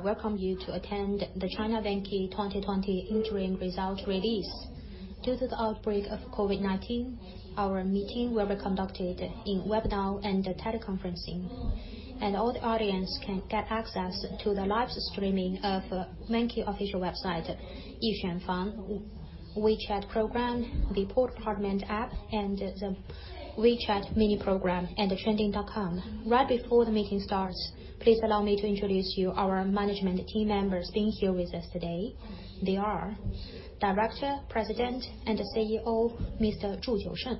I welcome you to attend the China Vanke 2020 Interim Results release. Due to the outbreak of COVID-19, our meeting will be conducted in webinar and teleconferencing. All the audience can get access to the live streaming of Vanke official website, WeChat program, the Port Apartment app, and the WeChat mini program and trending.com. Right before the meeting starts, please allow me to introduce you our management team members being here with us today. They are Director, President, and CEO, Mr. Zhu Jiusheng.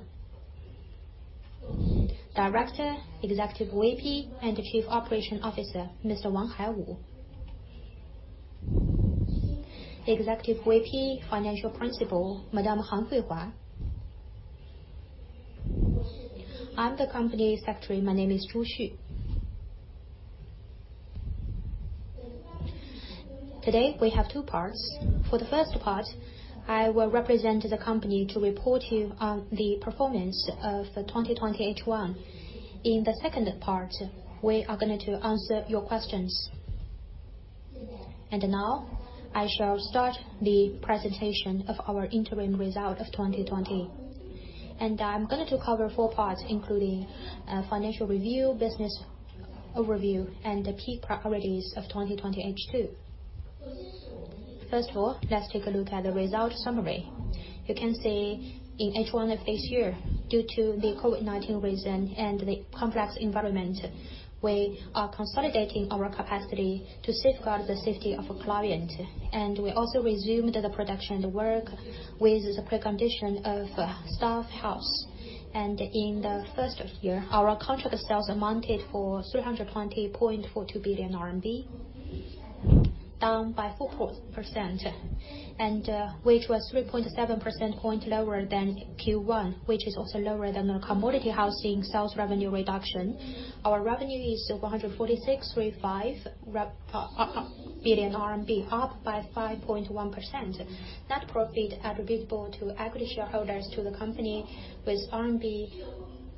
Director, Executive VP, and Chief Operation Officer, Mr. Wang Haiwu. Executive VP, Financial Principal, Madam Han Huihua. I'm the company secretary. My name is Zhu Xu. Today, we have two parts. For the first part, I will represent the company to report to you on the performance of the 2020 H1. In the second part, we are going to answer your questions. Now, I shall start the presentation of our interim result of 2020. I'm going to cover four parts, including financial review, business overview, and the key priorities of 2020 H2. First of all, let's take a look at the results summary. You can see in H1 of this year, due to the COVID-19 reason and the complex environment, we are consolidating our capacity to safeguard the safety of our client. We also resumed the production work with the precondition of staff health. In the first year, our contract sales amounted for 320.42 billion RMB, down by 4%, which was 3.7% point lower than Q1, which is also lower than the commodity housing sales revenue reduction. Our revenue is 146.35 billion RMB, up by 5.1%. Net profit attributable to equity shareholders to the company was RMB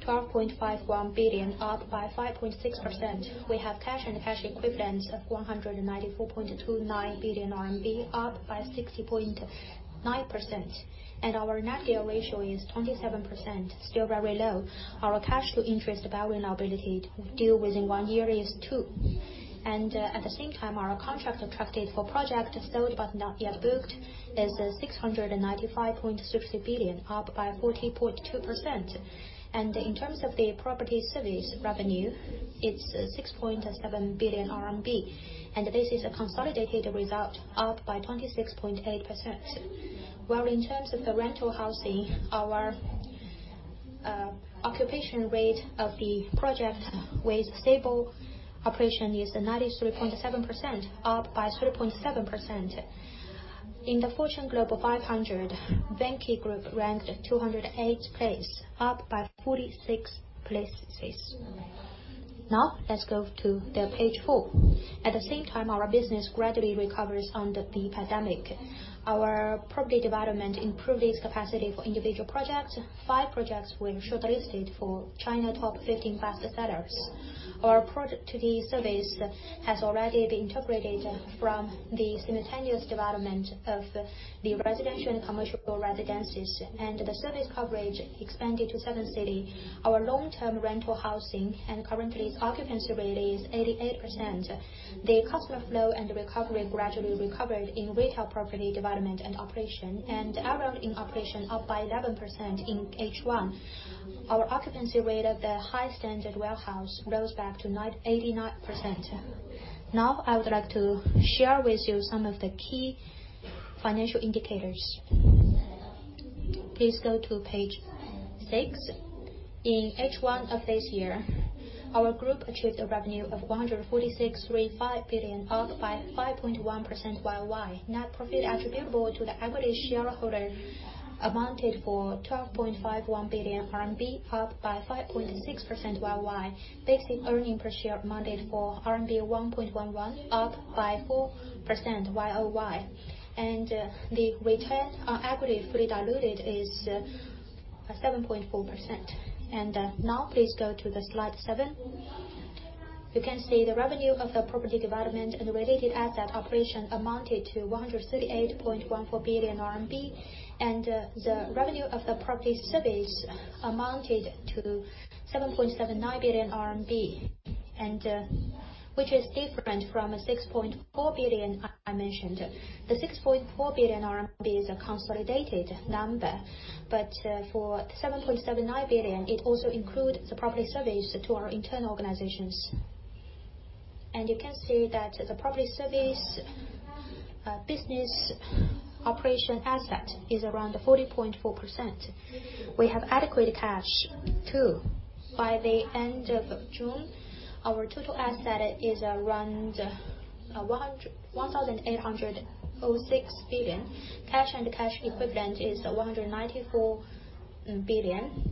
12.51 billion, up by 5.6%. We have cash and cash equivalents of 194.29 billion RMB, up by 60.9%. Our net gear ratio is 27%, still very low. Our cash to interest-bearing liability due within one year is two. At the same time, our contract attracted for project sold but not yet booked is 695.6 billion, up by 40.2%. In terms of the property service revenue, it's 6.7 billion RMB, and this is a consolidated result, up by 26.8%. While in terms of the rental housing, our occupation rate of the project with stable operation is 93.7%, up by 3.7%. In the Fortune Global 500, Vanke Group ranked 208 place, up by 46 places. Now, let's go to the page four. At the same time, our business gradually recovers under the pandemic. Our property development improved its capacity for individual projects. Five projects were shortlisted for China top 15 best sellers. Our project today service has already been integrated from the simultaneous development of the residential and commercial residences, and the service coverage expanded to seven cities. Our long-term rental housing and current occupancy rate is 88%. The customer flow and recovery gradually recovered in retail property development and operation, and added in operation up by 11% in H1. Our occupancy rate at the high standard warehouse rose back to 89%. I would like to share with you some of the key financial indicators. Please go to page six. In H1 of this year, our group achieved a revenue of 146.35 billion, up by 5.1% YOY. Net profit attributable to the average shareholder amounted for 12.51 billion RMB, up by 5.6% YOY. Basic earning per share amounted for RMB 1.11, up by 4% YOY. The return on equity, fully diluted is 7.4%. Now please go to the slide seven. You can see the revenue of the property development and related asset operation amounted to 138.14 billion RMB, the revenue of the property service amounted to 7.79 billion RMB, which is different from the 6.4 billion I mentioned. The 6.4 billion RMB is a consolidated number, for 7.79 billion, it also includes the property service to our internal organizations. You can see that the property service business operation asset is around 40.4%. We have adequate cash, too. By the end of June, our total asset is around 1,806 billion. Cash and cash equivalent is 194 billion,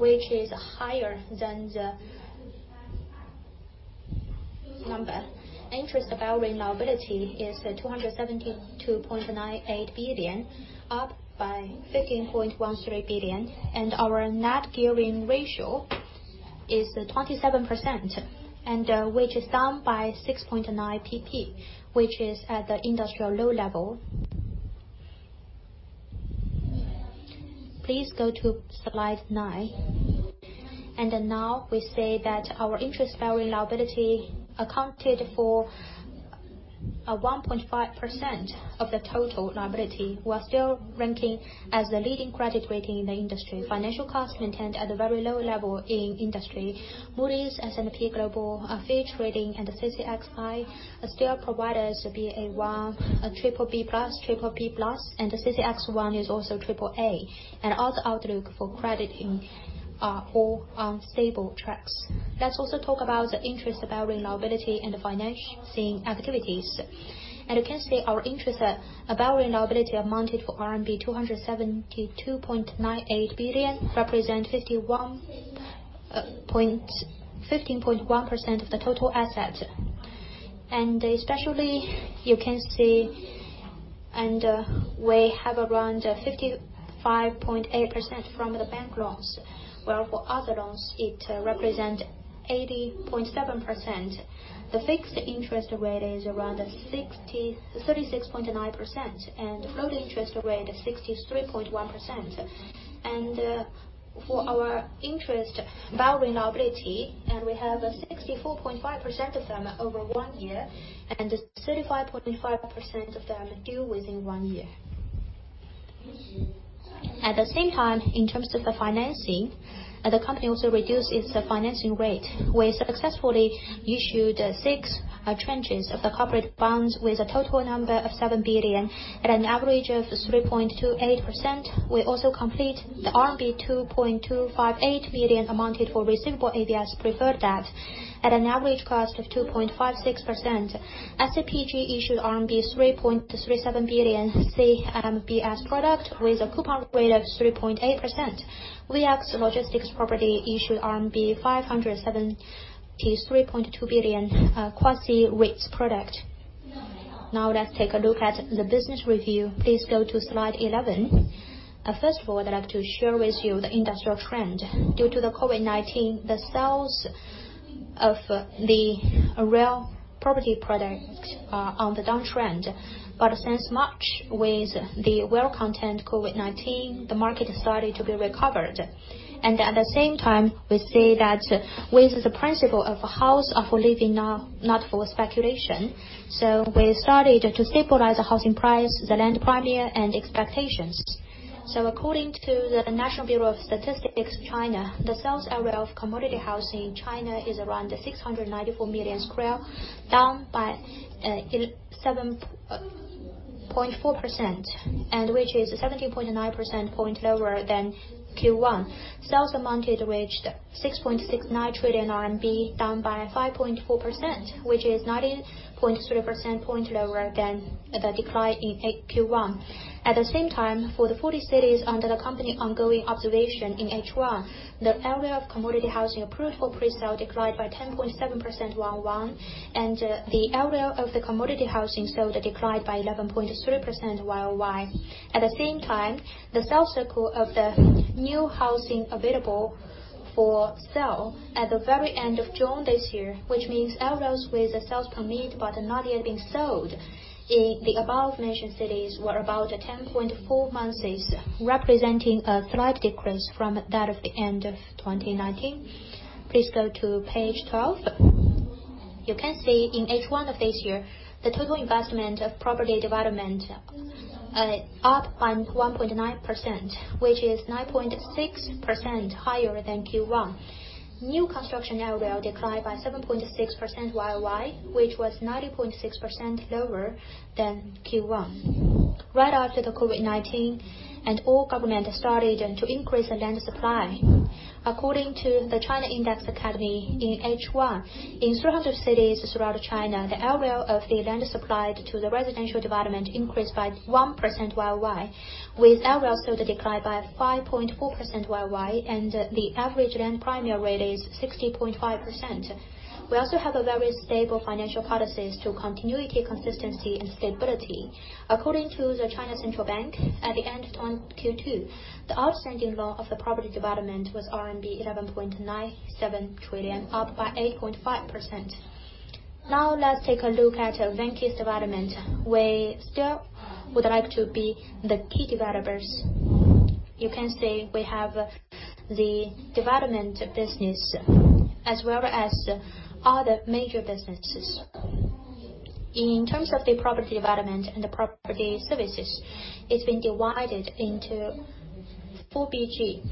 which is higher than the number. Interest-bearing liability is 272.98 billion, up by 15.13 billion, our net gearing ratio is 27%, which is down by 6.9 pp, which is at the industrial low level. Please go to slide nine. Now we see that our interest-bearing liability accounted for 1.5% of the total liability. We are still ranking as the leading credit rating in the industry. Financial costs maintained at a very low level in industry. Moody's, S&P Global, Fitch Ratings, and CCXI still provide us with Baa1, triple B plus, triple B plus, and the CCXI is also triple A. All the outlook for credit are all on stable tracks. Let's also talk about the interest-bearing liability and the financing activities. You can see our interest-bearing liability amounted to RMB 272.98 billion, represent 15.1% of the total asset. Especially, you can see we have around 55.8% from the bank loans, where for other loans it represent 80.7%. The fixed interest rate is around 36.9%, and floating interest rate is 63.1%. For our interest-bearing liability, we have 64.5% of them over one year and 35.5% of them due within one year. At the same time, in terms of the financing, the company also reduced its financing rate. We successfully issued six tranches of the corporate bonds with a total number of 7 billion at an average of 3.28%. We also completed the RMB 2.258 billion amounted for receivable ABS preferred debt at an average cost of 2.56%. SCPG issued RMB 3.37 billion CMBS product with a coupon rate of 3.8%. VX Logistics Properties issued RMB 573.2 billion quasi-REITs product. Let's take a look at the business review. Please go to slide 11. First of all, I'd like to share with you the industrial trend. Due to the COVID-19, the sales of the real property product are on the downtrend. Since March, with the well-contained COVID-19, the market started to be recovered. At the same time, we see that with the principle of a house for living, not for speculation. We started to stabilize the housing price, the land premium, and expectations. According to the National Bureau of Statistics of China, the sales area of commodity housing in China is around 694 million sq, down by 7.4%, and which is 17.9% point lower than Q1. Sales reached 6.69 trillion RMB, down by 5.4%, which is 19.3% point lower than the decline in Q1. At the same time, for the 40 cities under the company ongoing observation in H1, the area of commodity housing approved for pre-sale declined by 10.7% year-over-year, and the area of the commodity housing sold declined by 11.3% year-over-year. At the same time, the sales cycle of the new housing available for sale at the very end of June this year, which means areas with a sales permit but not yet being sold in the above-mentioned cities, were about 10.4 months, representing a slight decrease from that of the end of 2019. Please go to page 12. You can see in H1 of this year, the total investment of property development up by 1.9%, which is 9.6% higher than Q1. New construction area declined by 7.6% YoY, which was 90.6% lower than Q1. Right after the COVID-19, all government started to increase the land supply. According to the China Index Academy, in H1, in 300 cities throughout China, the area of the land supplied to the residential development increased by 1% YoY, with area sold declined by 5.4% YoY and the average land premium rate is 60.5%. We also have a very stable financial policies to continuity, consistency, and stability. According to the China Central Bank, at the end of Q2, the outstanding loan of the property development was RMB 11.97 trillion, up by 8.5%. Now let's take a look at Vanke's development. We still would like to be the key developers. You can see we have the development business as well as other major businesses. In terms of the property development and the property services, it's been divided into four BG.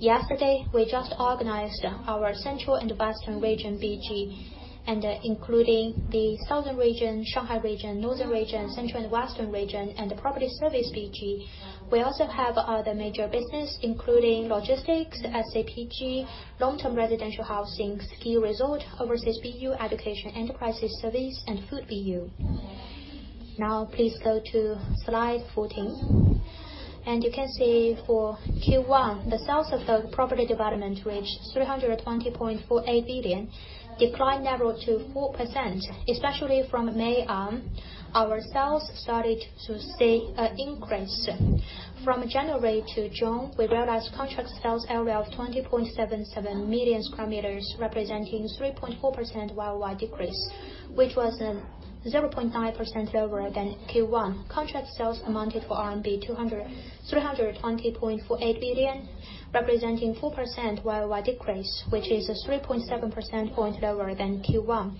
Yesterday, we just organized our central and western region BG, and including the southern region, Shanghai region, northern region, central and western region, and the property service BG. We also have other major business including logistics, SCPG, long-term residential housing, ski resort, overseas BU, education enterprises service, and food BU. Now please go to slide 14. You can see for Q1, the sales of the property development reached 320.48 billion, decline narrowed to 4%, especially from May on, our sales started to see an increase. From January to June, we realized contract sales area of 20.77 million sq m, representing 3.4% year-over-year decrease, which was 0.9% lower than Q1. Contract sales amounted to RMB 320.48 billion, representing 4% year-over-year decrease, which is 3.7 percentage point lower than Q1.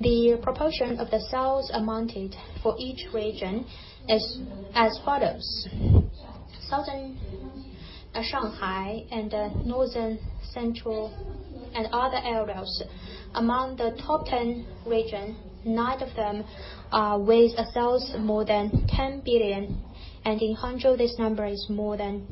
The proportion of the sales amounted for each region is as follows. Southern Shanghai and Northern Central and other areas. Among the top 10 region, nine of them with sales more than 10 billion. In Hangzhou, this number is more than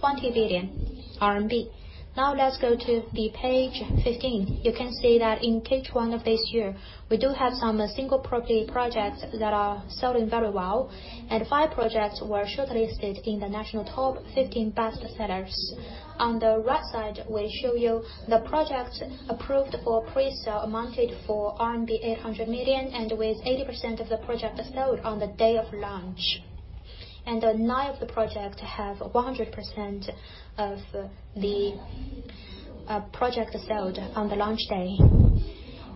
20 billion RMB. Let's go to the page 15. You can see that in Q1 of this year, we do have some single property projects that are selling very well, and five projects were shortlisted in the national top 15 best sellers. On the right side, we show you the projects approved for pre-sale, amounted for RMB 800 million, with 80% of the project is sold on the day of launch. Nine of the project have 100% of the project sold on the launch day.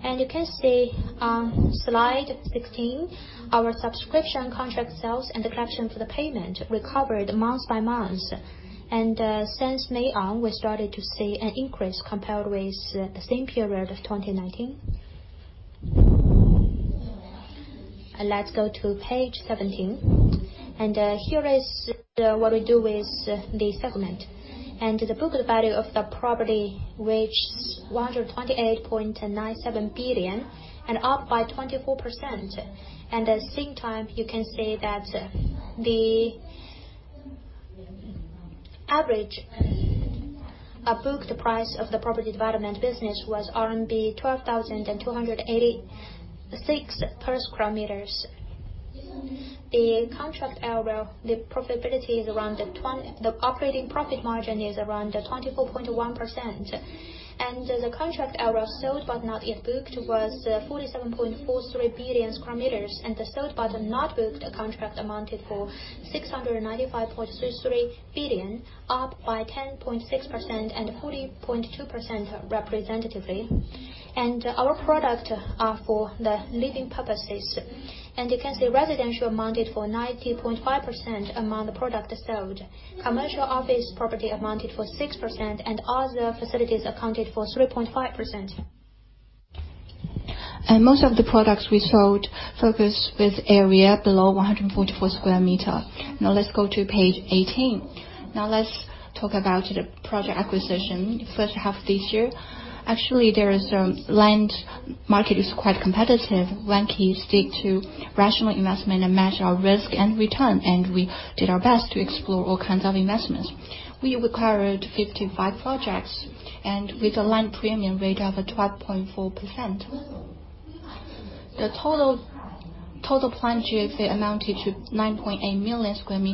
You can see on slide 16, our subscription contract sales and the collection for the payment recovered month-over-month. Since May on, we started to see an increase compared with the same period of 2019. Let's go to page 17. Here is what we do with the segment. The booking value of the property, reached 128.97 billion and up by 24%. At the same time, you can see that the average booked price of the property development business was RMB 12,286 per sq m. The contract area, the operating profit margin is around 24.1%. The contract area sold but not yet booked was 47.43 billion sq m. The sold but not booked contract amounted for 695.33 billion, up by 10.6%-40.2% representatively. Our product are for the living purposes. You can see residential amounted for 90.5% among the product sold. Commercial office property amounted for 6%, and other facilities accounted for 3.5%. Most of the products we sold focus with area below 144 sq m. Now let's go to page 18. Now let's talk about the project acquisition first half of this year. Actually, land market is quite competitive. Vanke stick to rational investment and manage our risk and return. We did our best to explore all kinds of investments. We acquired 55 projects with a land premium rate of 12.4%. The total planned GFA amounted to 9.8 million sq m.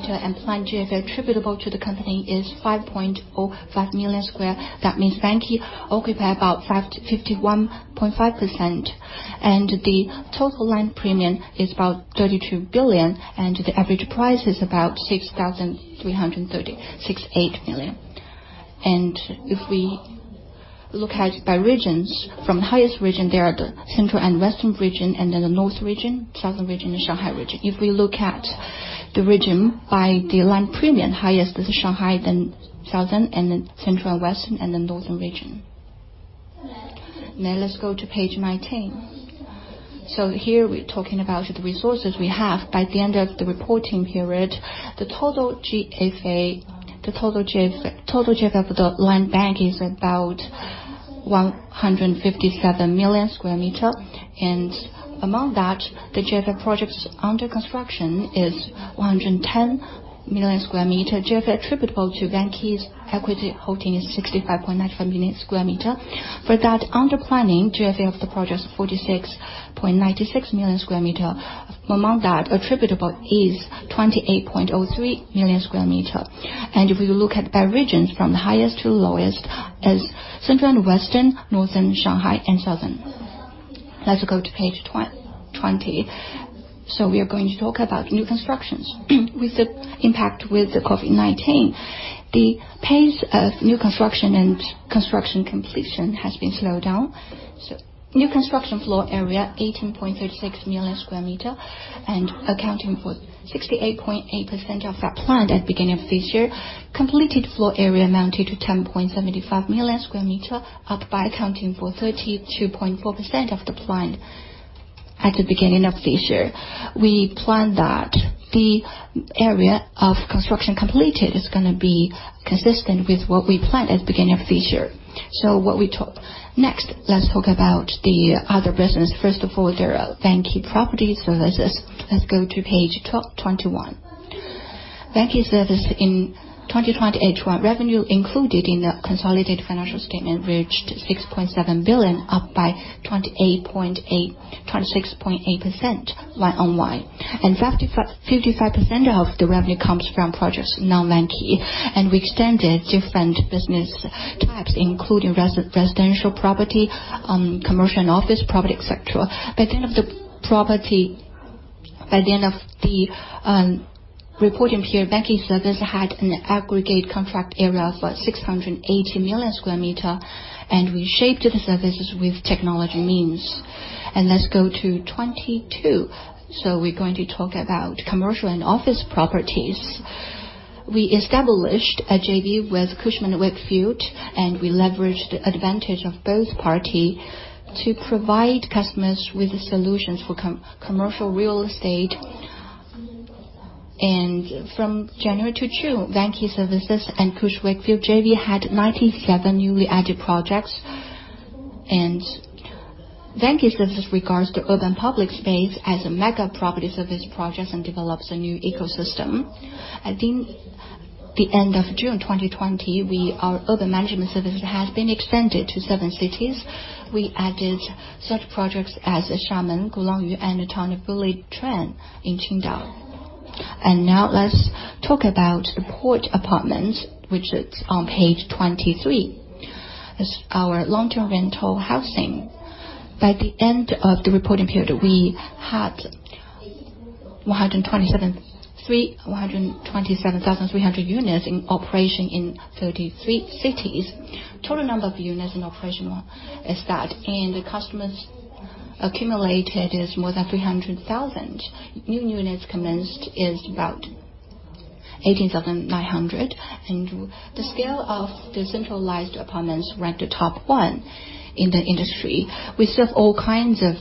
Planned GFA attributable to the company is 5.05 million sq m. That means Vanke occupy about 51.5%. The total land premium is about 32 billion. The average price is about 6,336.8 million. If we look at by regions, from the highest region, they are the central and western region, the north region, southern region, and Shanghai region. If we look at the region by the land premium, highest is Shanghai, then southern, central and western, and northern region. Let's go to page 19. Here, we're talking about the resources we have. By the end of the reporting period, the total GFA for the land bank is about 157 million sq m. Among that, the GFA projects under construction is 110 million sq m. GFA attributable to Vanke's equity holding is 65.95 million sq m. For that, under planning, GFA of the project 46.96 million sq m. Among that, attributable is 28.03 million sq m. If you look at by regions from the highest to lowest is central and western, northern Shanghai and southern. Let's go to page 20. We are going to talk about new constructions. With the impact with the COVID-19, the pace of new construction and construction completion has been slowed down. New construction floor area, 18.36 million sq m and accounting for 68.8% of our planned at beginning of this year. Completed floor area amounted to 10.75 million sq m, up by accounting for 32.4% of the planned at the beginning of this year. We plan that the area of construction completed is going to be consistent with what we planned at beginning of this year. Next, let's talk about the other business. First of all, there are Vanke Property Services. Let's go to page 21. Vanke Service in 2020 H1, revenue included in the consolidated financial statement reached 6.7 billion, up by 26.8% year-over-year. 55% of the revenue comes from projects non-Vanke. We extended different business types, including residential property, commercial and office property, et cetera. By the end of the reporting period, Vanke Services had an aggregate contract area of 680 million sq m. We shaped the services with technology means. Let's go to 22. We're going to talk about commercial and office properties. We established a JV with Cushman & Wakefield, and we leveraged the advantage of both party to provide customers with the solutions for commercial real estate. From January to June, Vanke Services and Cushman & Wakefield JV had 97 newly added projects. Vanke Services regards to open public space as a mega property service projects and develops a new ecosystem. At the end of June 2020, our urban management service has been expanded to seven cities. We added such projects as Xiamen Gulangyu and the Town of Bulitren in Qingdao. Now let's talk about the Port Apartments, which is on page 23. It's our long-term rental housing. By the end of the reporting period, we had 127,300 units in operation in 33 cities. Total number of units in operation is that, and the customers accumulated is more than 300,000. New units commenced is about 18,900, and the scale of the centralized apartments ranked the top one in the industry. We serve all kinds of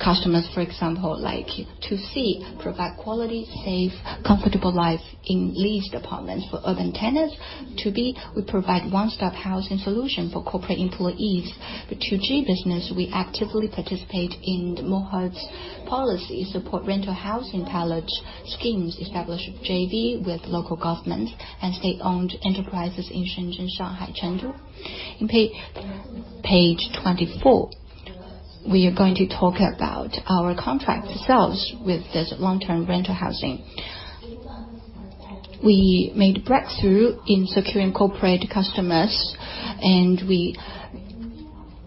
customers, for example, like 2C, provide quality, safe, comfortable life in leased apartments for urban tenants. 2B, we provide one-stop housing solution for corporate employees. The 2G business, we actively participate in MOHURD's policy, support rental housing pilot schemes, establish JV with local governments and state-owned enterprises in Shenzhen, Shanghai, Chengdu. In page 24, we are going to talk about our contract sales with this long-term rental housing. We made breakthrough in securing corporate customers, and we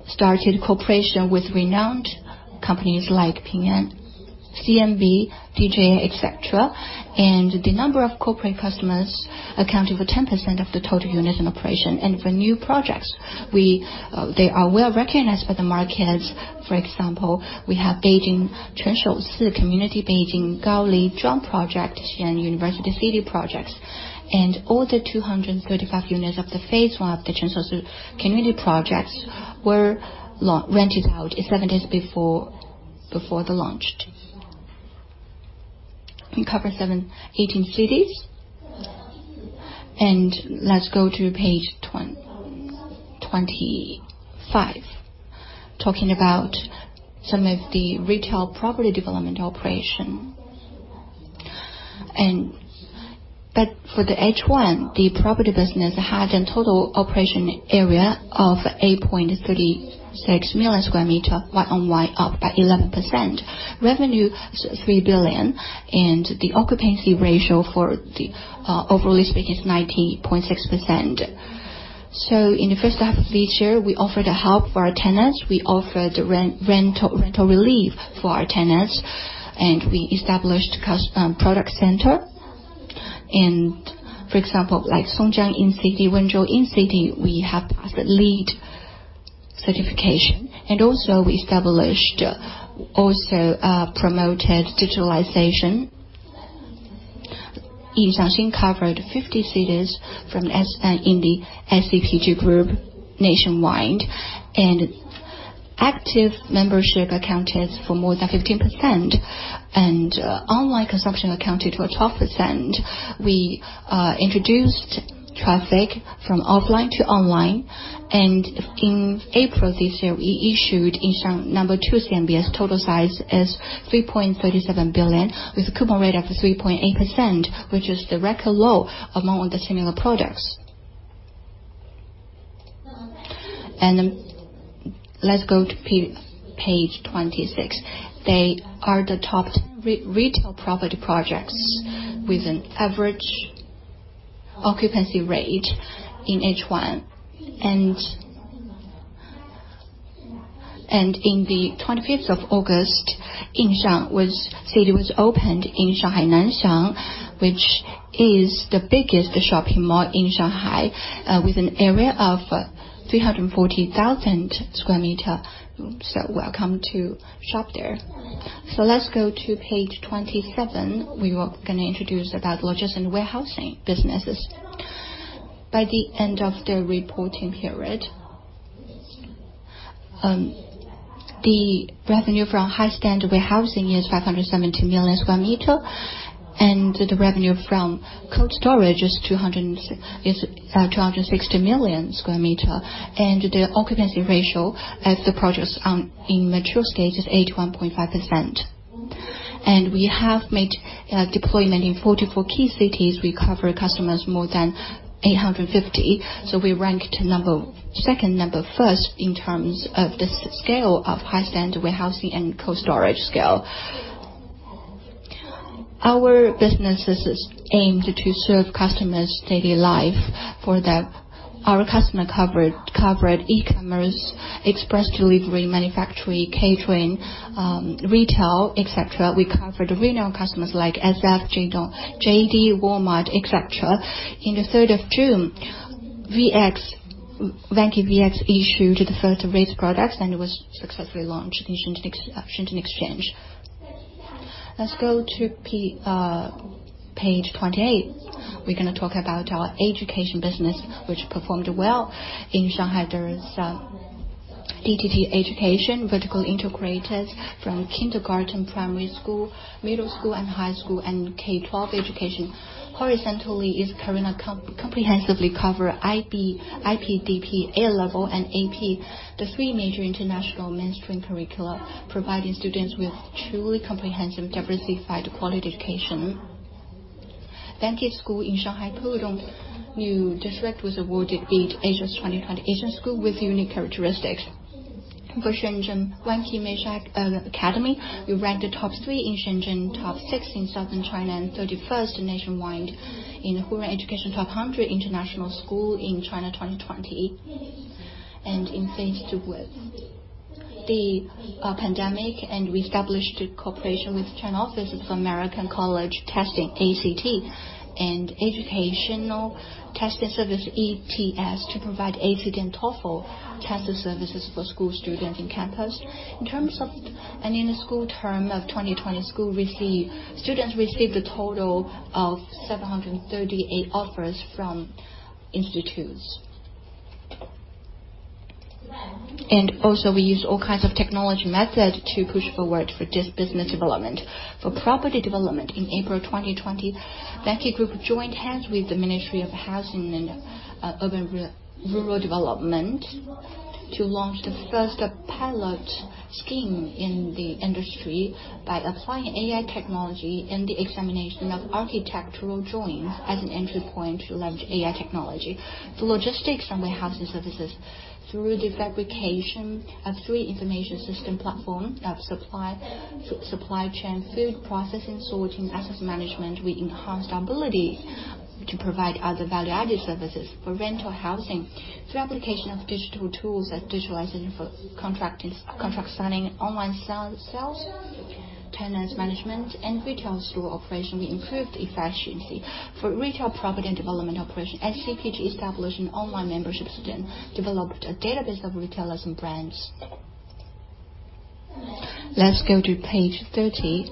started cooperation with renowned companies like Ping An, CMB, DJI, et cetera. The number of corporate customers accounted for 10% of the total units in operation. For new projects, they are well-recognized by the markets. For example, we have Beijing Chengshousi Community, Beijing Gaoliying Project, Xi'an University City Projects. All the 235 units of the phase I of the Chengshousi Community projects were rented out seven days before the launch. We cover 18 cities. Let's go to page 25, talking about some of the retail property development operation. For the H1, the property business had a total operation area of 8.36 million sq m, Y on Y up by 11%. Revenue is 3 billion, and the occupancy ratio for the overall leaseback is 90.6%. In the first half of this year, we offered help for our tenants. We offered rental relief for our tenants, and we established product center. For example, like Songjiang In-City, Wenzhou In-City, we have the LEED certification. Also, we established, also promoted digitalization. Yinxiang Xin covered 50 cities in the SCPG nationwide, and active membership accounted for more than 15%, and online consumption accounted for 12%. We introduced traffic from offline to online. In April this year, we issued Yinxiang No. 2 CMBS. Total size is 3.37 billion, with a coupon rate of 3.8%, which is the record low among the similar products. Let's go to page 26. They are the top 10 retail property projects with an average occupancy rate in H1. In the 25th of August, Yinxiang City was opened in Shanghai, Nanxiang, which is the biggest shopping mall in Shanghai, with an area of 340,000sq m. Welcome to shop there. Let's go to page 27. We are going to introduce about logistics and warehousing businesses. By the end of the reporting period, the revenue from high-standard warehousing is 570 million sq m, and the revenue from cold storage is 260 million sq m. The occupancy ratio as the projects are in mature stage is 81.5%. We have made deployment in 44 key cities. We cover customers more than 850. We ranked second, number first in terms of the scale of high-standard warehousing and cold storage scale. Our business is aimed to serve customers' daily life. For that, our customer covered e-commerce, express delivery, manufacturing, catering, retail, et cetera. We cover the renowned customers like SF, JD, Walmart, et cetera. In the 3rd of June, Vanke VX issued the first REIT product and it was successfully launched in Shenzhen Stock Exchange. Let's go to page 28. We're going to talk about our education business, which performed well. In Shanghai, there is DTD Education, vertically integrated from kindergarten, primary school, middle school, and high school, and K12 education. Horizontally, it comprehensively cover IB, IGCSE, DP, A-level, and AP, the three major international mainstream curricula, providing students with truly comprehensive, diversified quality education. Vanke School in Shanghai Pudong New District was awarded in Asia's 2020 Asian School with Unique Characteristics. For Shenzhen Vanke Meisha Academy, we ranked the top 3 in Shenzhen, top 6 in Southern China, and 31st nationwide in Hurun Education Top International Schools in China 2020. In face with the pandemic, we established a cooperation with China Office of American College Testing, ACT, and Educational Testing Service, ETS, to provide ACT and TOEFL testing services for school students in campus. In the school term of 2020, students received a total of 738 offers from institutes. Also, we use all kinds of technology method to push forward for this business development. For property development, in April 2020, Vanke Group joined hands with the Ministry of Housing and Urban-Rural Development to launch the first pilot scheme in the industry by applying AI technology in the examination of architectural joins as an entry point to launch AI technology. For logistics and warehousing services, through the fabrication of three information system platform of supply chain, food processing, sorting, assets management, we enhanced our ability to provide other value-added services. For rental housing, through application of digital tools such digitalizing for contract signing, online sales, tenants management, and retail store operation, we improved efficiency. For retail property development operation, SCPG established an online membership system, developed a database of retailers and brands. Let's go to page 30.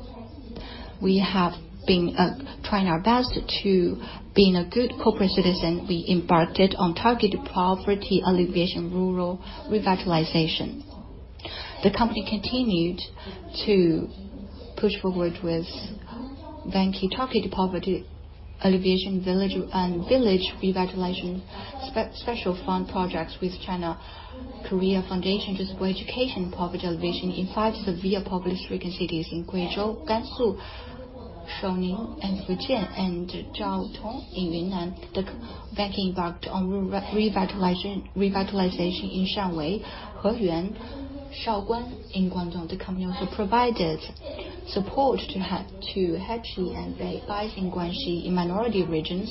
We have been trying our best to being a good corporate citizen. We embarked on targeted poverty alleviation rural revitalization. The company continued to push forward with Vanke targeted poverty alleviation and village revitalization special fund projects with China Charity Federation to support education poverty alleviation in five severe poverty-stricken cities in Guizhou, Gansu, Shaanxi, and Fujian, and Zhaotong in Yunnan. Vanke embarked on revitalization in Shanwei, Heyuan, Shaoguan in Guangdong. The company also provided support to Hechi and Baise in Guangxi, in minority regions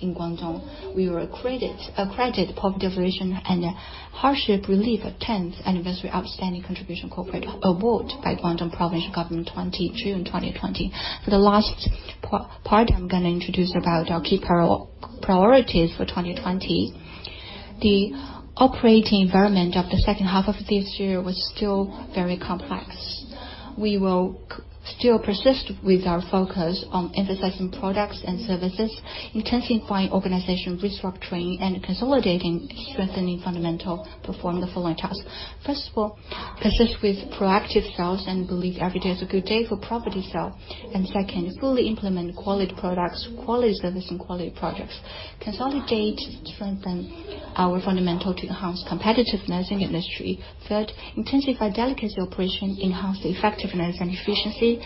in Guangdong. We were accredited Poverty Alleviation and Hardship Relief 10th Anniversary Outstanding Contribution Corporate Award by Guangdong Provincial People's Government, June 2020. For the last part, I'm going to introduce about our key priorities for 2020. The operating environment of the second half of this year was still very complex. We will still persist with our focus on emphasizing products and services, intensifying organization restructuring, and consolidating, strengthening fundamental, perform the following tasks. First of all, persist with proactive sales, believe every day is a good day for property sale. Second, fully implement quality products, quality service, and quality projects. Consolidate, strengthen our fundamental to enhance competitiveness in industry. Third, intensify delicacy operation, enhance the effectiveness and efficiency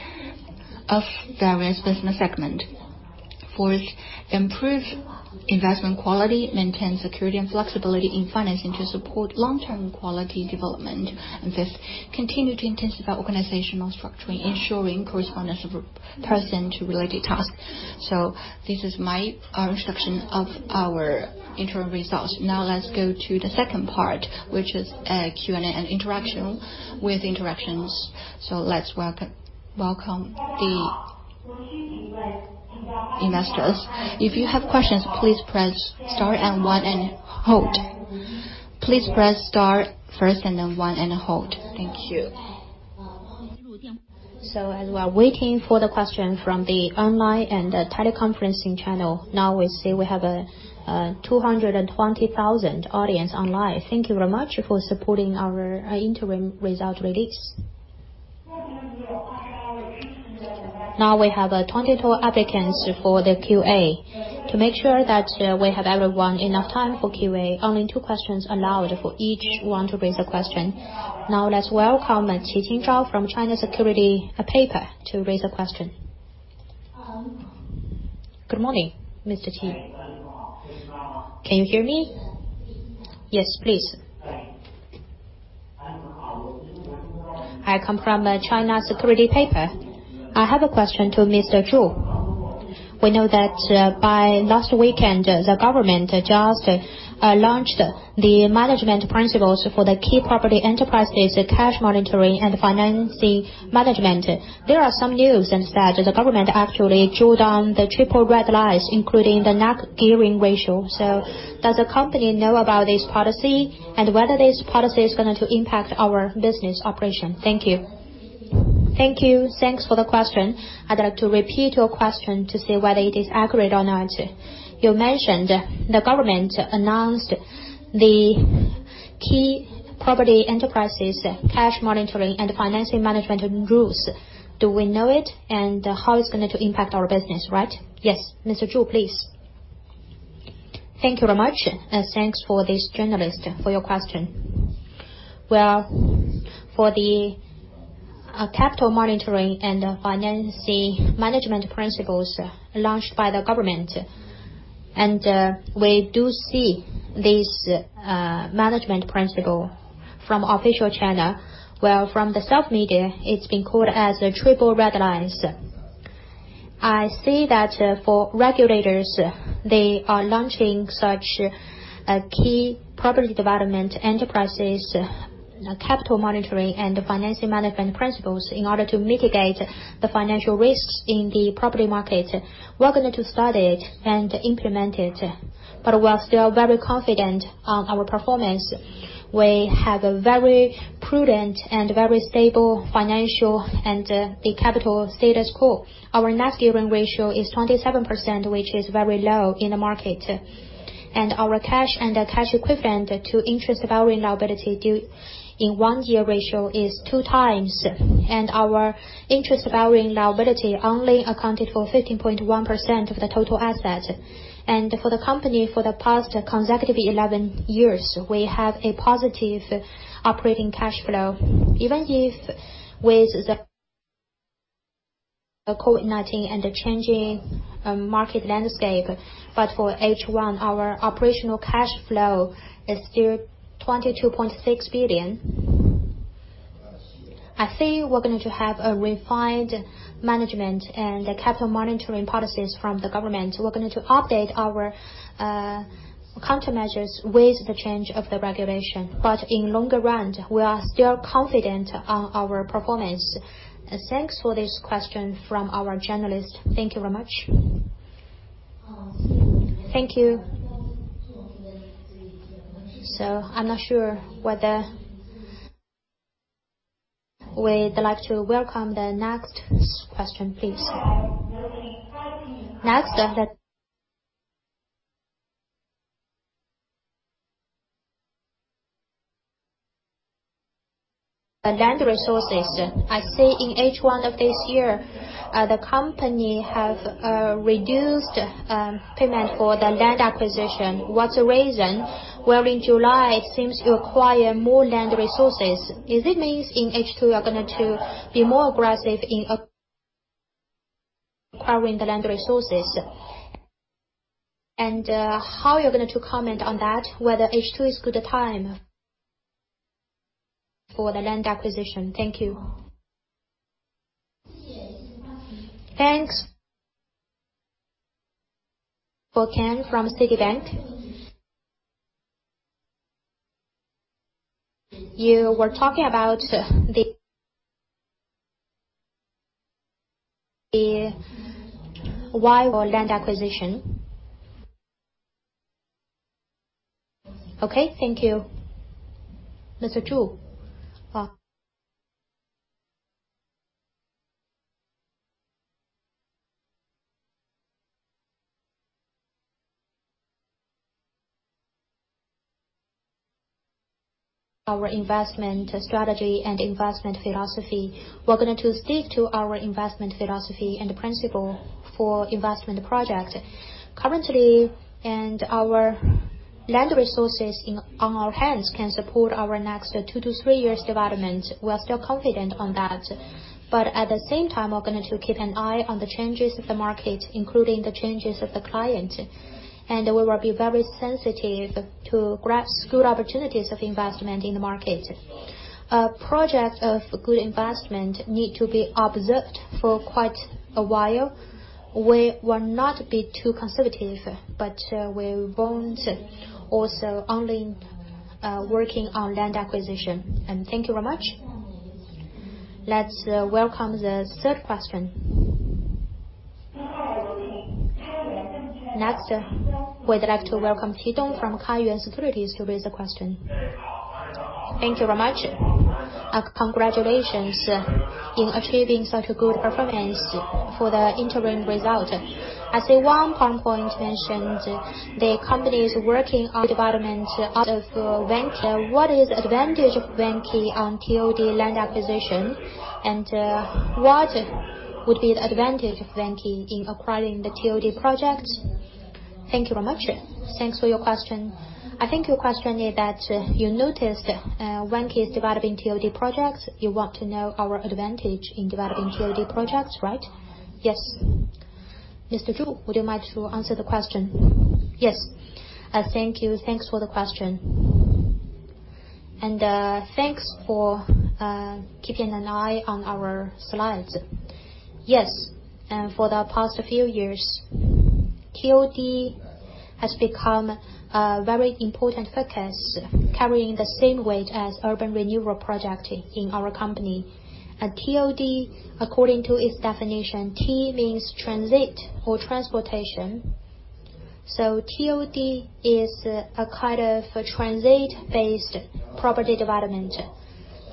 of various business segment. Fourth, improve investment quality, maintain security and flexibility in financing to support long-term quality development. Fifth, continue to intensify organizational structuring, ensuring correspondence of person to related task. This is my introduction of our interim results. Now let's go to the second part, which is Q&A and interaction. Let's welcome the investors. As we are waiting for the question from the online and teleconferencing channel, we see we have 220,000 audience online. Thank you very much for supporting our interim result release. We have 22 applicants for the QA. To make sure that we have everyone enough time for QA, only two questions allowed for each one to raise a question. Let's welcome Shuqing Qi from China Securities, to raise a question. Good morning, Mr. Qi. Can you hear me? Yes, please. I come from China Securities Journal. I have a question to Mr. Zhu. We know that by last weekend, the government just launched the management principles for the key property enterprises cash monitoring and financing management. There are some news that the government actually drew down the triple red lines, including the net gearing ratio. Does the company know about this policy and whether this policy is going to impact our business operation? Thank you. Thank you. Thanks for the question. I'd like to repeat your question to see whether it is accurate or not. You mentioned the government announced the key property enterprises cash monitoring and financing management rules. Do we know it, and how it's going to impact our business, right? Yes. Mr. Zhu, please. Thank you very much, thanks for this journalist for your question. Well, for the capital monitoring and financing management principles launched by the government, we do see this management principle from official China, well, from the self-media, it's been called as Triple Red Lines. I see that for regulators, they are launching such a key property development enterprises, capital monitoring, and financing management principles in order to mitigate the financial risks in the property market. We're going to study it and implement it, we are still very confident on our performance. We have a very prudent and very stable financial and capital status quo. Our net gearing ratio is 27%, which is very low in the market. Our cash and cash equivalent to interest-bearing liability due in one-year ratio is two times. Our interest-bearing liability only accounted for 15.1% of the total asset. For the company, for the past consecutive 11 years, we have a positive operating cash flow. Even if with the COVID-19 and the changing market landscape, but for H1, our operational cash flow is still 22.6 billion. I think we're going to have a refined management and capital monitoring policies from the government. We're going to update our countermeasures with the change of the regulation. In longer run, we are still confident on our performance. Thanks for this question from our journalist. Thank you very much. Thank you. I'm not sure whether we'd like to welcome the next question, please. Next. Land resources. I see in H1 of this year, the company have reduced payment for the land acquisition. What's the reason? Well, in July, it seems to acquire more land resources. Is it means in H2, you're going to be more aggressive in acquiring the land resources? How you're going to comment on that, whether H2 is good time for the land acquisition? Thank you. Thanks. For Ken from Citibank. You were talking about the why land acquisition. Okay, thank you. Mr. Zhu. Our investment strategy and investment philosophy. We're going to stick to our investment philosophy and principle for investment project. Currently, our land resources on our hands can support our next two to three years' development. We are still confident on that. At the same time, we're going to keep an eye on the changes of the market, including the changes of the client. We will be very sensitive to grasp good opportunities of investment in the market. Projects of good investment need to be observed for quite a while. We will not be too conservative, but we won't also only be working on land acquisition. Thank you very much. Let's welcome the third question. Next, we'd like to welcome Hidong from Kaiyuan Securities to raise a question. Thank you very much. Congratulations in achieving such a good performance for the interim result. I see one PowerPoint mentioned the company is working on development out of Vanke. What is advantage of Vanke on TOD land acquisition, and what would be the advantage of Vanke in acquiring the TOD projects? Thank you very much. Thanks for your question. I think your question is that you noticed Vanke is developing TOD projects. You want to know our advantage in developing TOD projects, right? Yes. Mr. Zhu, would you mind to answer the question? Yes. Thank you. Thanks for the question. Thanks for keeping an eye on our slides. For the past few years, TOD has become a very important focus, carrying the same weight as urban renewal project in our company. TOD, according to its definition, T means transit or transportation. TOD is a kind of transit-based property development.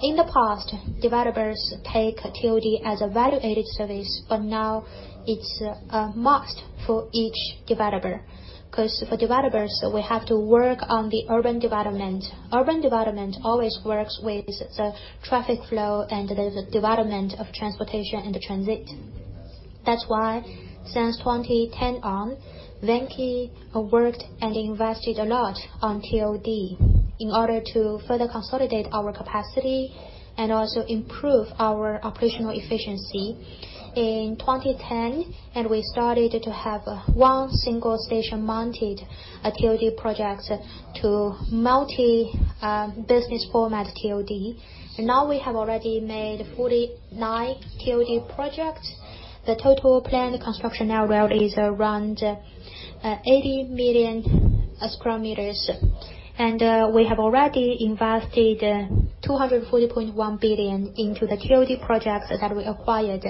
In the past, developers take TOD as a value-added service, but now it's a must for each developer because for developers, we have to work on the urban development. Urban development always works with the traffic flow and the development of transportation and the transit. That's why since 2010 on, Vanke worked and invested a lot on TOD in order to further consolidate our capacity and also improve our operational efficiency. In 2010, we started to have one single station mounted TOD projects to multi-business format TOD. Now we have already made 49 TOD projects. The total planned construction area is around 80 million sq m. We have already invested 240.1 billion into the TOD projects that we acquired.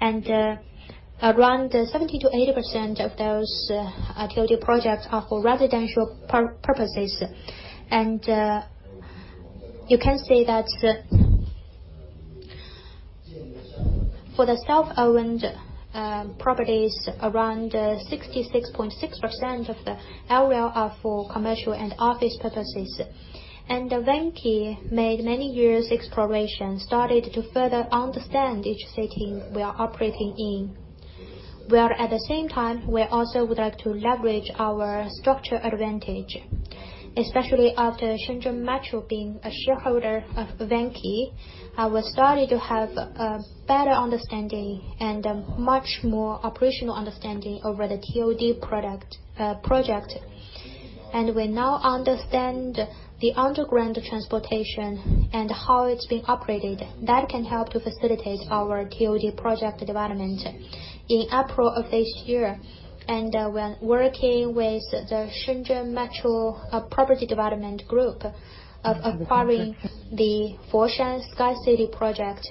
Around 70%-80% of those TOD projects are for residential purposes. You can say that for the self-owned properties, around 66.6% of the area are for commercial and office purposes. Vanke made many years exploration, started to further understand each setting we are operating in. While at the same time, we also would like to leverage our structure advantage, especially after Shenzhen Metro being a shareholder of Vanke, we started to have a better understanding and a much more operational understanding over the TOD project. We now understand the underground transportation and how it's being operated, that can help to facilitate our TOD project development. In April of this year, when working with the Shenzhen Metro Group of acquiring the Foshan Sky City project.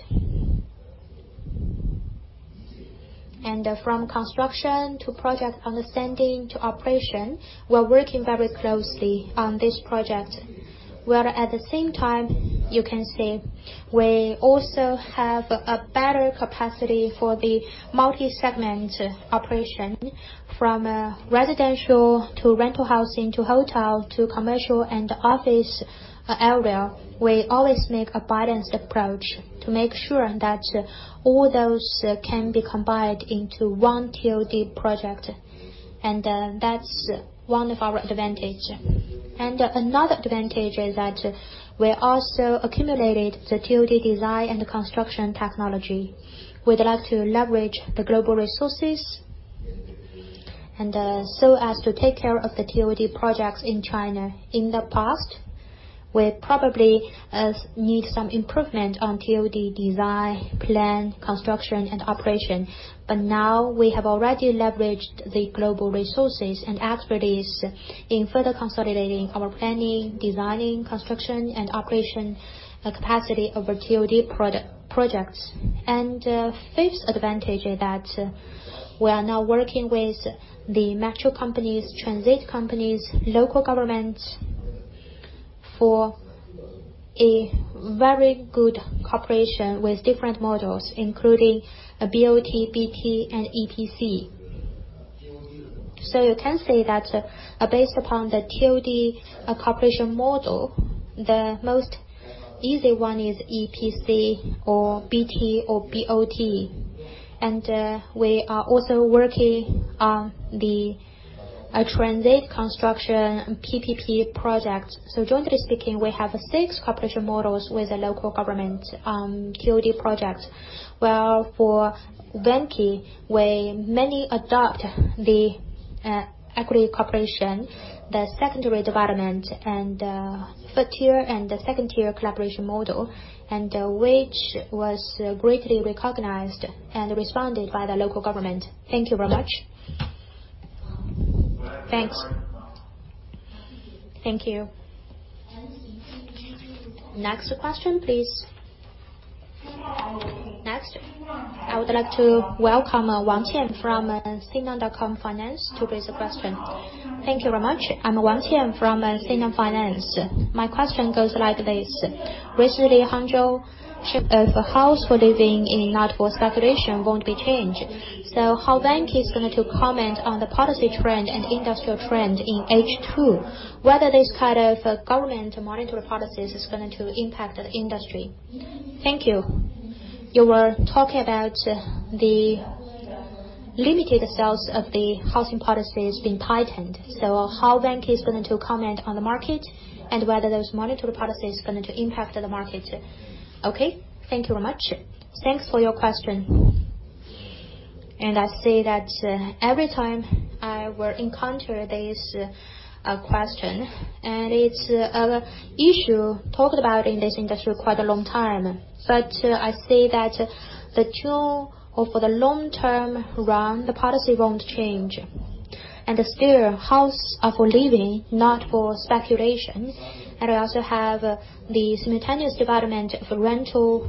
From construction to project understanding to operation, we are working very closely on this project, where at the same time, you can see we also have a better capacity for the multi-segment operation from residential to rental housing to hotel to commercial and office area. We always make a balanced approach to make sure that all those can be combined into one TOD project. That's one of our advantage. Another advantage is that we also accumulated the TOD design and construction technology. We'd like to leverage the global resources so as to take care of the TOD projects in China. In the past, we probably need some improvement on TOD design, plan, construction and operation. Now we have already leveraged the global resources and expertise in further consolidating our planning, designing, construction, and operation capacity over TOD projects. Fifth advantage is that we are now working with the metro companies, transit companies, local government for a very good cooperation with different models, including BOT, BT, and EPC. You can say that based upon the TOD cooperation model, the most easy one is EPC or BT or BOT. We are also working on the transit construction PPP project. Jointly speaking, we have six cooperation models with the local government TOD projects, where for Vanke, we mainly adopt the equity cooperation, the secondary development, and the tier one and the tier two collaboration model, which was greatly recognized and responded by the local government. Thank you very much. Thanks. Thank you. Next question, please. Next, I would like to welcome Wang Qian from Sina.com Finance to raise a question. Thank you very much. I'm Wang Qian from Sina Finance. My question goes like this. Recently, Hangzhou, for house for living in not for speculation won't be changed. How Vanke is going to comment on the policy trend and industrial trend in H2, whether this kind of government monetary policies is going to impact the industry? Thank you. You were talking about the limited sales of the housing policies being tightened. How Vanke is going to comment on the market and whether those monetary policies going to impact the market. Okay. Thank you very much. Thanks for your question. I say that every time I will encounter this question, and it's an issue talked about in this industry quite a long time. I say that the tune or for the long-term run, the policy won't change. Still house are for living, not for speculation. We also have the simultaneous development for rental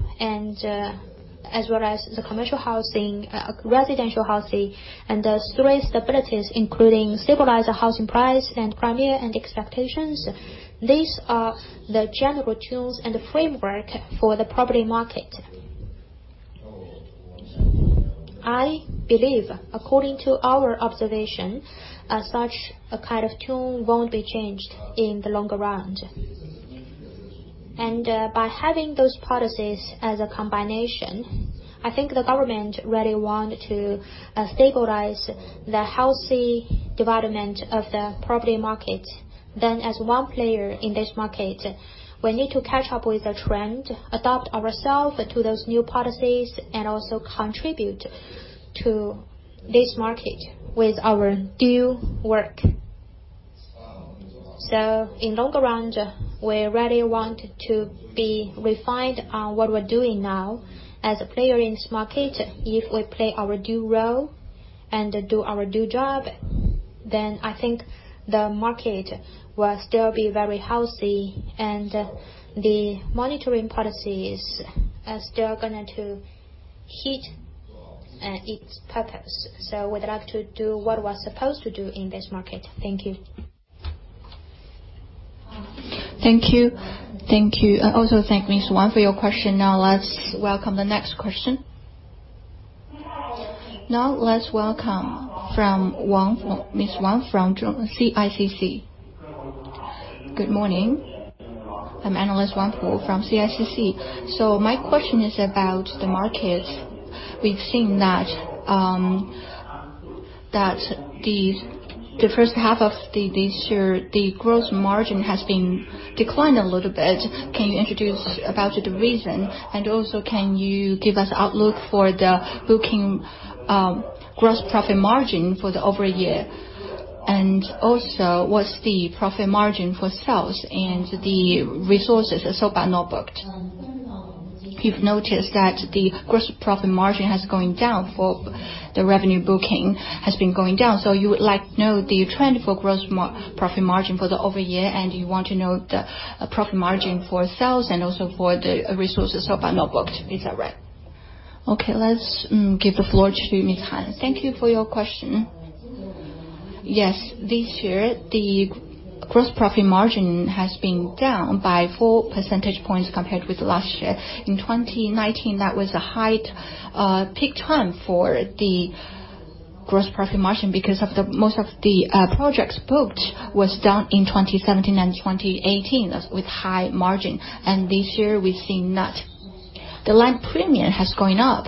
as well as the commercial housing, residential housing, and the three stabilities, including stabilize the housing price and premier and expectations. These are the general tools and the framework for the property market. I believe, according to our observation, such a kind of tune won't be changed in the longer run. By having those policies as a combination, I think the government really want to stabilize the healthy development of the property market. As one player in this market, we need to catch up with the trend, adapt ourselves to those new policies, and also contribute to this market with our due work. In longer run, we really want to be refined on what we're doing now as a player in this market. If we play our due role and do our due job, then I think the market will still be very healthy, and the monitoring policies are still going to hit its purpose. We'd like to do what we're supposed to do in this market. Thank you. Thank you. Thank you. I also thank Ms. Wang for your question. Now let's welcome the next question. Now let's welcome Ms. Wang from CICC. Good morning. I'm analyst Wang Hu from CICC. My question is about the market. We've seen that the first half of this year, the gross margin has been declined a little bit. Can you introduce about the reason, and also, can you give us outlook for the booking gross profit margin for the over year? What's the profit margin for sales and the resources so far not booked? You've noticed that the gross profit margin has going down for the revenue booking has been going down. You would like to know the trend for gross profit margin for the over year, and you want to know the profit margin for sales and also for the resources so far not booked. Is that right? Okay, let's give the floor to Ms. Han. Thank you for your question. Yes. This year, the gross profit margin has been down by four percentage points compared with last year. In 2019, that was a high peak time for the gross profit margin because of most of the projects booked was done in 2017 and 2018, with high margin. This year, we've seen that the land premium has gone up,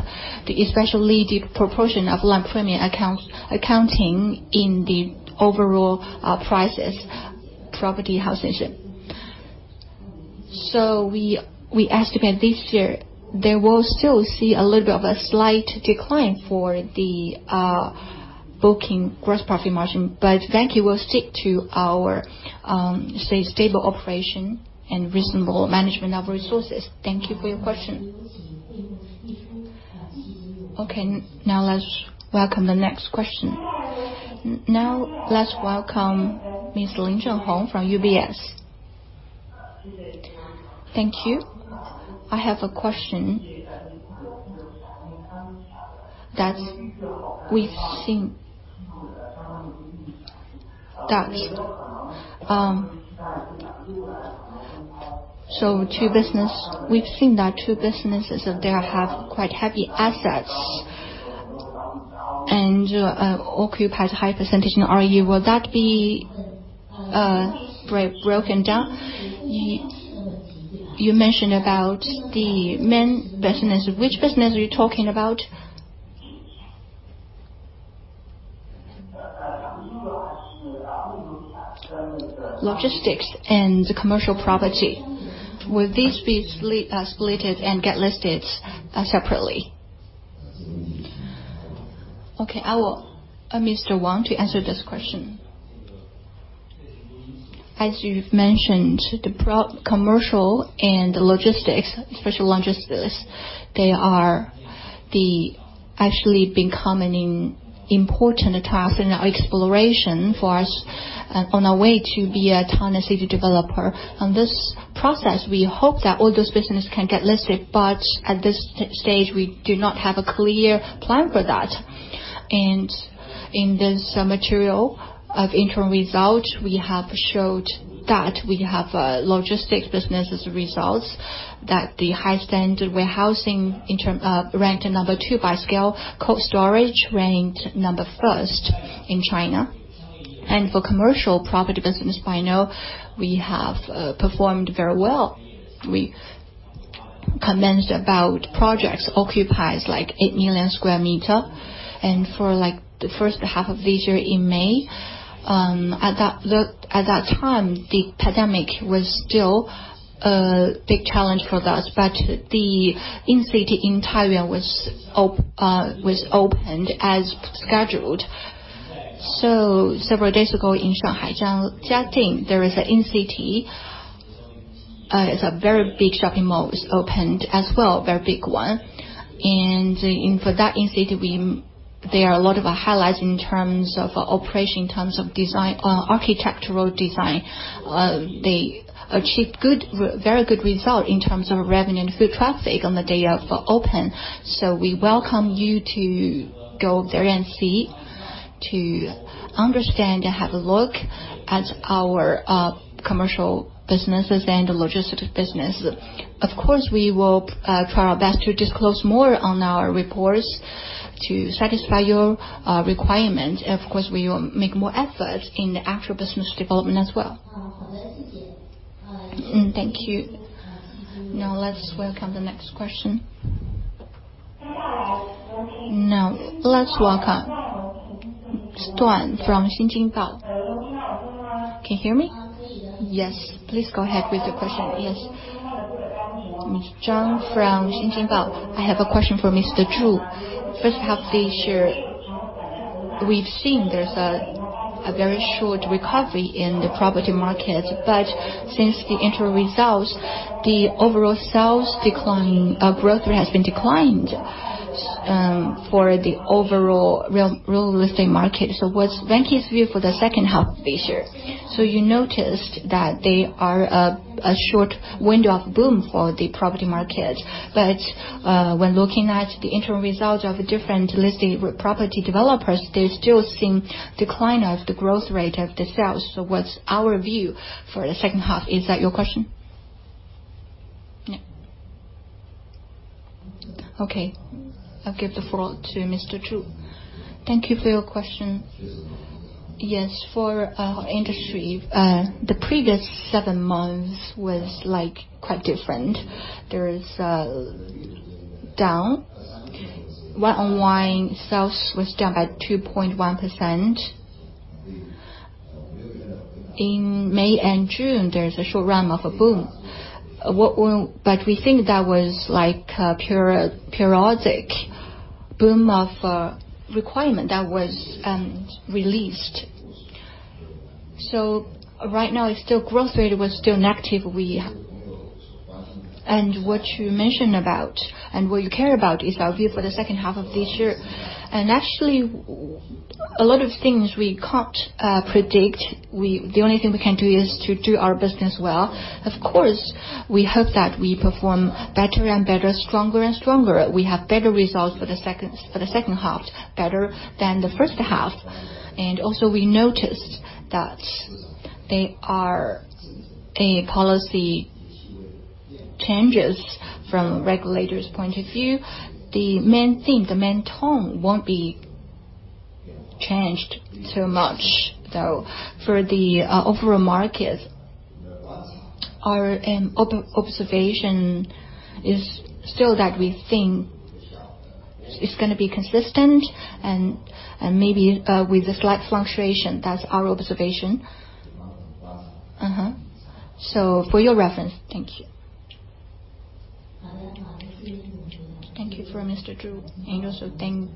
especially the proportion of land premium accounting in the overall prices, property housing. We estimate this year, they will still see a little bit of a slight decline for the booking gross profit margin. Vanke will stick to our, say, stable operation and reasonable management of resources. Thank you for your question. Okay. Now let's welcome the next question. Now let's welcome Ms. Lin Zhenhong from UBS. Thank you. I have a question. We've seen that two businesses there have quite heavy assets and occupy a high percentage in ROE. Will that be broken down? You mentioned about the main business. Which business are you talking about? Logistics and the commercial property. Will these be split and get listed separately? Okay. I want Mr. Wang to answer this question. As you've mentioned, the commercial and logistics, especially logistics, they are actually becoming an important task in our exploration for us on our way to be a town and city developer. On this process, we hope that all those business can get listed, but at this stage, we do not have a clear plan for that. In this material of interim results, we have showed that we have logistics business results, that the high standard warehousing ranked No.2 by scale, cold storage ranked number one in China. For commercial property business, I know we have performed very well. We commenced about projects occupies like 8 million sq m. For the first half of this year in May. At that time, the pandemic was still a big challenge for us, but the IN CITY in Taiyuan was opened as scheduled. Several days ago in Shanghai, Jiaxing, there is an IN CITY. It's a very big shopping mall, was opened as well, very big one. For that IN CITY, there are a lot of highlights in terms of operation, in terms of architectural design. They achieved very good result in terms of revenue and foot traffic on the day of open. We welcome you to go there and see, to understand and have a look at our commercial businesses and the logistics business. Of course, we will try our best to disclose more on our reports to satisfy your requirement. Of course, we will make more efforts in the actual business development as well. Thank you. Now let's welcome the next question. Now let's welcome Duan from Xinjing Bao. Can you hear me? Yes. Please go ahead with the question. Yes. Ms. Zhang from Xinjing Bao. I have a question for Mr. Zhu. First half this year, we've seen there's a very short recovery in the property market, but since the interim results, the overall sales growth rate has been declined for the overall real estate market. What's Vanke's view for the second half of this year? You noticed that there are a short window of boom for the property market, but when looking at the interim result of different listing property developers, they're still seeing decline of the growth rate of the sales. What's our view for the second half? Is that your question? No. Okay. I'll give the floor to Mr. Zhu. Thank you for your question. Yes. For our industry, the previous seven months was quite different. There is a down. Year-on-year sales was down by 2.1%. In May and June, there's a short realm of a boom. We think that was a periodic boom of requirement that was released. Right now, growth rate was still negative. What you mentioned about, and what you care about is our view for the second half of this year. Actually, a lot of things we can't predict. The only thing we can do is to do our business well. Of course, we hope that we perform better and better, stronger and stronger. We have better results for the second half, better than the first half. Also we noticed that there are policy changes from a regulator's point of view. The main theme, the main tone won't be changed so much, though, for the overall market. Our observation is still that we think it's going to be consistent and maybe with a slight fluctuation. That's our observation. For your reference. Thank you. Thank you for Mr. Zhu, and also thank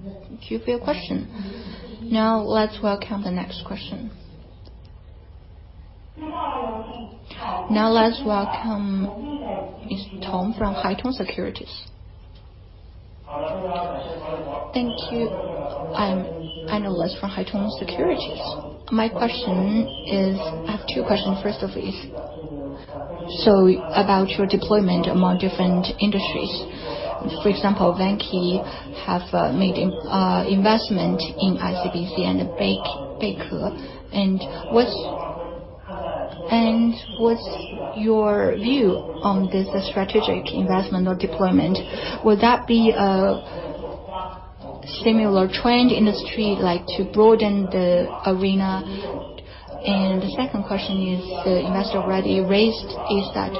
you for your question. Now let's welcome the next question. Now let's welcome Mr. Tom from Haitong Securities. Thank you. I'm analyst from Haitong Securities. I have two questions. First of is, so about your deployment among different industries. For example, Vanke have made investment in ICBC and Beike. What's your view on this strategic investment or deployment? Would that be a similar trend industry like to broaden the arena? The second question is, the investor already raised is that,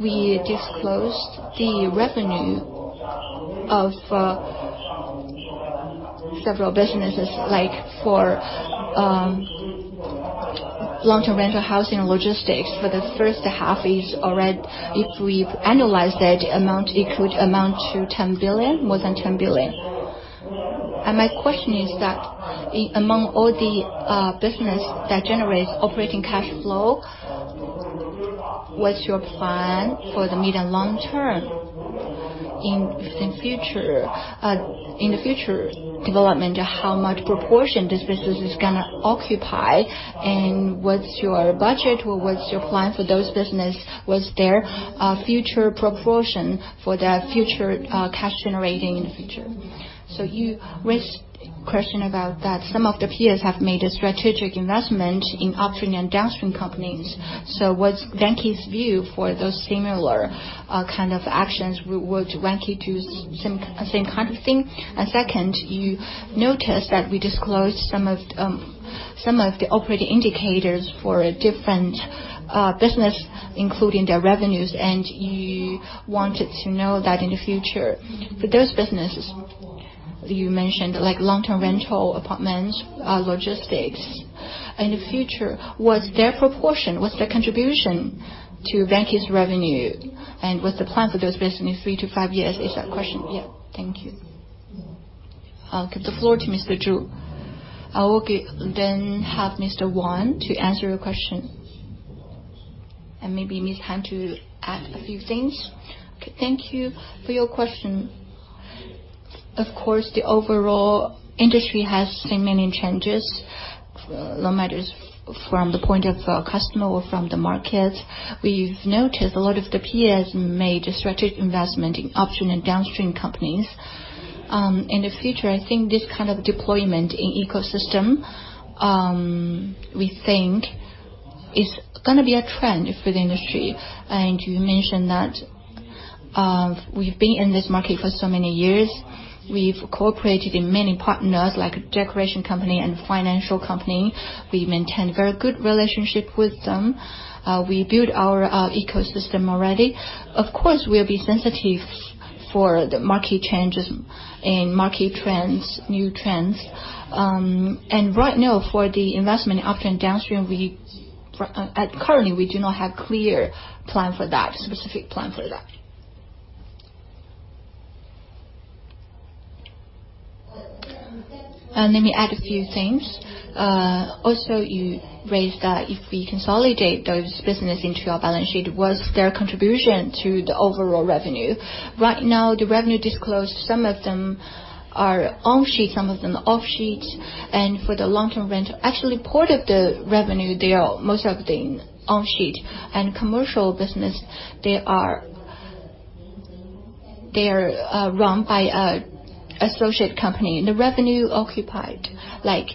we disclosed the revenue of several businesses, like for long-term rental housing and logistics for the first half is already, if we've analyzed that amount, it could amount to 10 billion, more than 10 billion. My question is that, among all the business that generates operating cash flow, what's your plan for the mid and long term? In the future development, how much proportion this business is going to occupy, and what's your budget or what's your plan for those businesses? What's their future proportion for their future cash generating in the future? You raised question about that some of the peers have made a strategic investment in upstream and downstream companies. What's Vanke's view for those similar kind of actions? Would Vanke do same kind of thing? Second, you notice that we disclosed Some of the operating indicators for different businesses, including their revenues, and you wanted to know that in the future. For those businesses you mentioned, like long-term rental apartments, logistics in the future, what's their proportion? What's their contribution to Vanke's revenue? What's the plan for those businesses in three to five years? Is that question? Yeah. Thank you. I'll give the floor to Mr. Zhu. I will then have Mr. Wang to answer your question. Maybe Ms. Han to add a few things. Thank you for your question. Of course, the overall industry has seen many changes, no matters from the point of customer or from the market. We've noticed a lot of the peers made a strategic investment in upstream and downstream companies. In the future, I think this kind of deployment in ecosystem, we think is going to be a trend for the industry. You mentioned that we've been in this market for so many years. We've cooperated with many partners, like decoration company and financial company. We maintain very good relationship with them. We build our ecosystem already. Of course, we'll be sensitive for the market changes and market trends, new trends. Right now, for the investment in upstream, downstream, currently, we do not have clear plan for that, specific plan for that. Let me add a few things. You raised that if we consolidate those business into our balance sheet, what's their contribution to the overall revenue? Right now, the revenue disclosed, some of them are on sheet, some of them off sheet, and for the long-term rent, actually part of the revenue, most of them on sheet. Commercial business, they are run by associate company. The revenue occupied like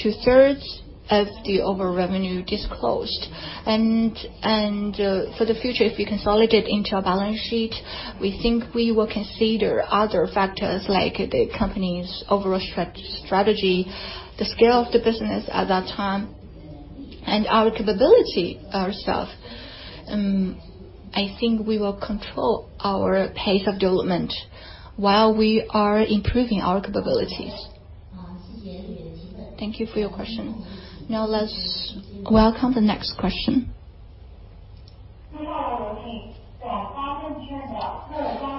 2/3 of the overall revenue disclosed. For the future, if we consolidate into our balance sheet, we think we will consider other factors like the company's overall strategy, the scale of the business at that time, and our capability ourselves. I think we will control our pace of development while we are improving our capabilities. Thank you for your question. Now let's welcome the next question.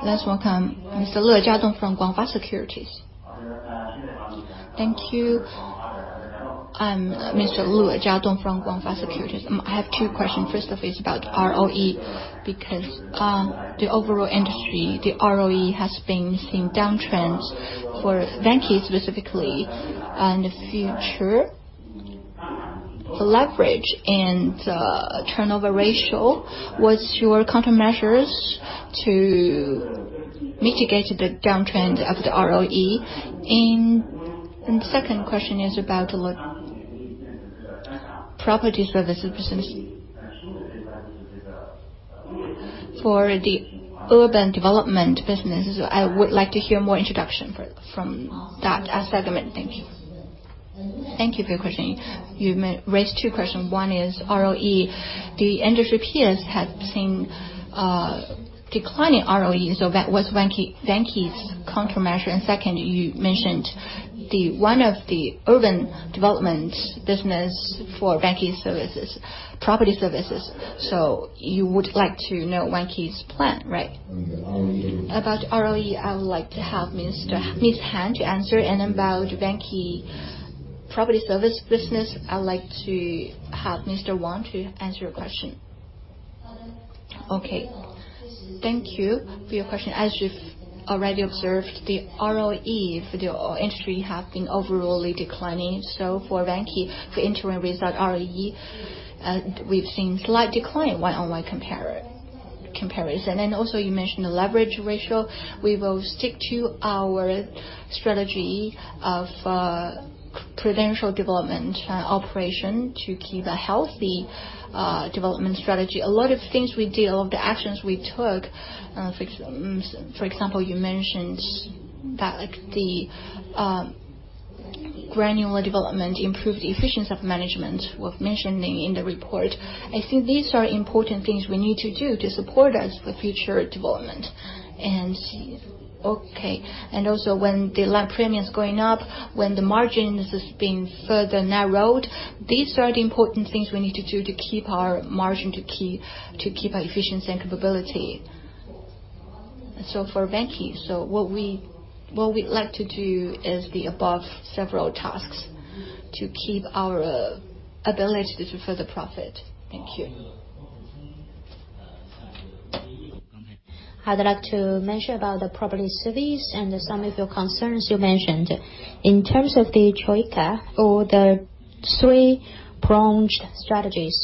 Let's welcome Mr. Le Jiadong from Guangfa Securities. Thank you. I'm Mr. Le Jiadong from Guangfa Securities. I have two questions. First of is about ROE, because, the overall industry, the ROE has been seeing downtrends. For Vanke specifically, in the future, the leverage and the turnover ratio, what's your countermeasures to mitigate the downtrend of the ROE? Second question is about property services business. For the urban development business, I would like to hear more introduction from that segment. Thank you. Thank you for your question. You raised two question. One is ROE. The industry peers have seen declining ROE, so what's Vanke's countermeasure? Second, you mentioned one of the urban development business for Vanke's property services. You would like to know Vanke's plan, right? About ROE, I would like to have Ms. Han to answer. About Vanke property service business, I would like to have Mr. Wang to answer your question. Thank you for your question. As you've already observed, the ROE for the industry have been overall declining. For Vanke, for interim result ROE, we've seen slight decline year-on-year comparison. Also, you mentioned the leverage ratio. We will stick to our strategy of prudential development operation to keep a healthy development strategy. A lot of things we do, a lot of the actions we took, for example, you mentioned that the granular development improve the efficiency of management was mentioned in the report. I think these are important things we need to do to support us for future development. When the land premium is going up, when the margins is being further narrowed, these are the important things we need to do to keep our margin, to keep our efficiency and capability. For Vanke, what we'd like to do is the above several tasks to keep our ability to retain the profit. Thank you. I'd like to mention about the property service and some of your concerns you mentioned. In terms of the troika or the three-pronged strategies,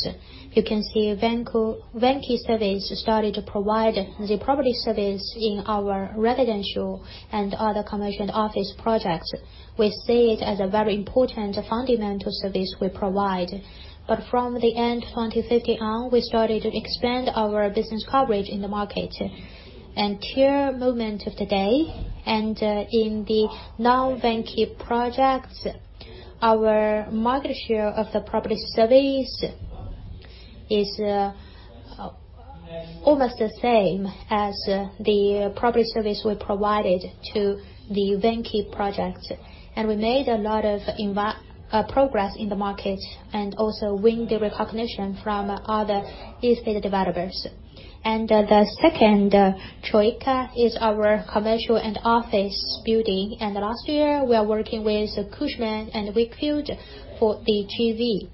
you can see Vanke Service started to provide the property service in our residential and other commercial office projects. We see it as a very important fundamental service we provide. From the end 2015 on, we started to expand our business coverage in the market. Until moment of today, and in the non-Vanke projects, our market share of the property service is almost the same as the property service we provided to the Vanke project. We made a lot of progress in the market and also win the recognition from other real estate developers. The second choice is our commercial and office building. Last year, we are working with Cushman & Wakefield for the JV.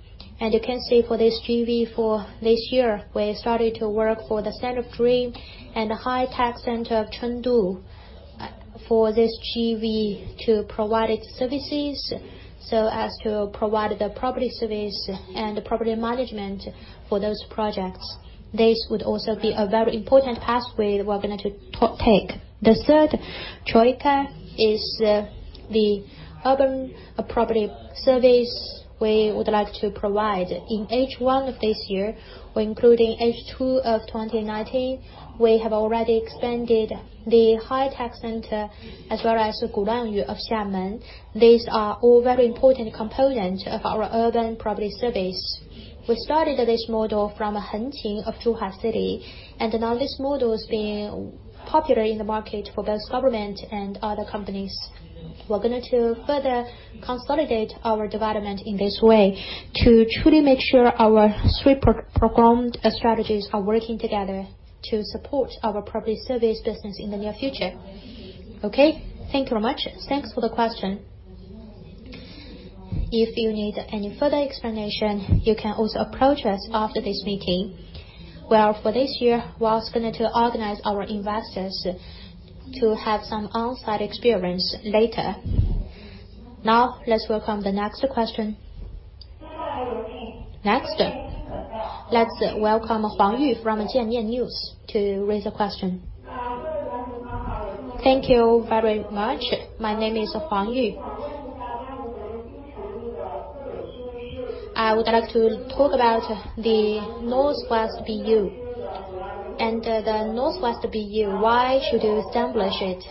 You can see for this JV for this year, we started to work for the Center Dream and the High Tech Center of Chengdu for this JV to provide its services, so as to provide the property service and property management for those projects. This would also be a very important pathway we're going to take. The third choice is the urban property service we would like to provide. In H1 of this year, including H2 of 2019, we have already expanded the High Tech Center as well as the of Xiamen. These are all very important components of our urban property service. We started this model from Hengqin of Zhuhai City, and now this model is being popular in the market for both government and other companies. We're going to further consolidate our development in this way to truly make sure our three performed strategies are working together to support our property service business in the near future. Okay. Thank you very much. Thanks for the question. If you need any further explanation, you can also approach us after this meeting. Well, for this year, we are going to organize our investors to have some on-site experience later. Now, let's welcome the next question. Next, let's welcome Huang Yu from Jiemian News to raise a question. Thank you very much. My name is Huang Yu. I would like to talk about the Northwest BU. The Northwest BU, why should you establish it?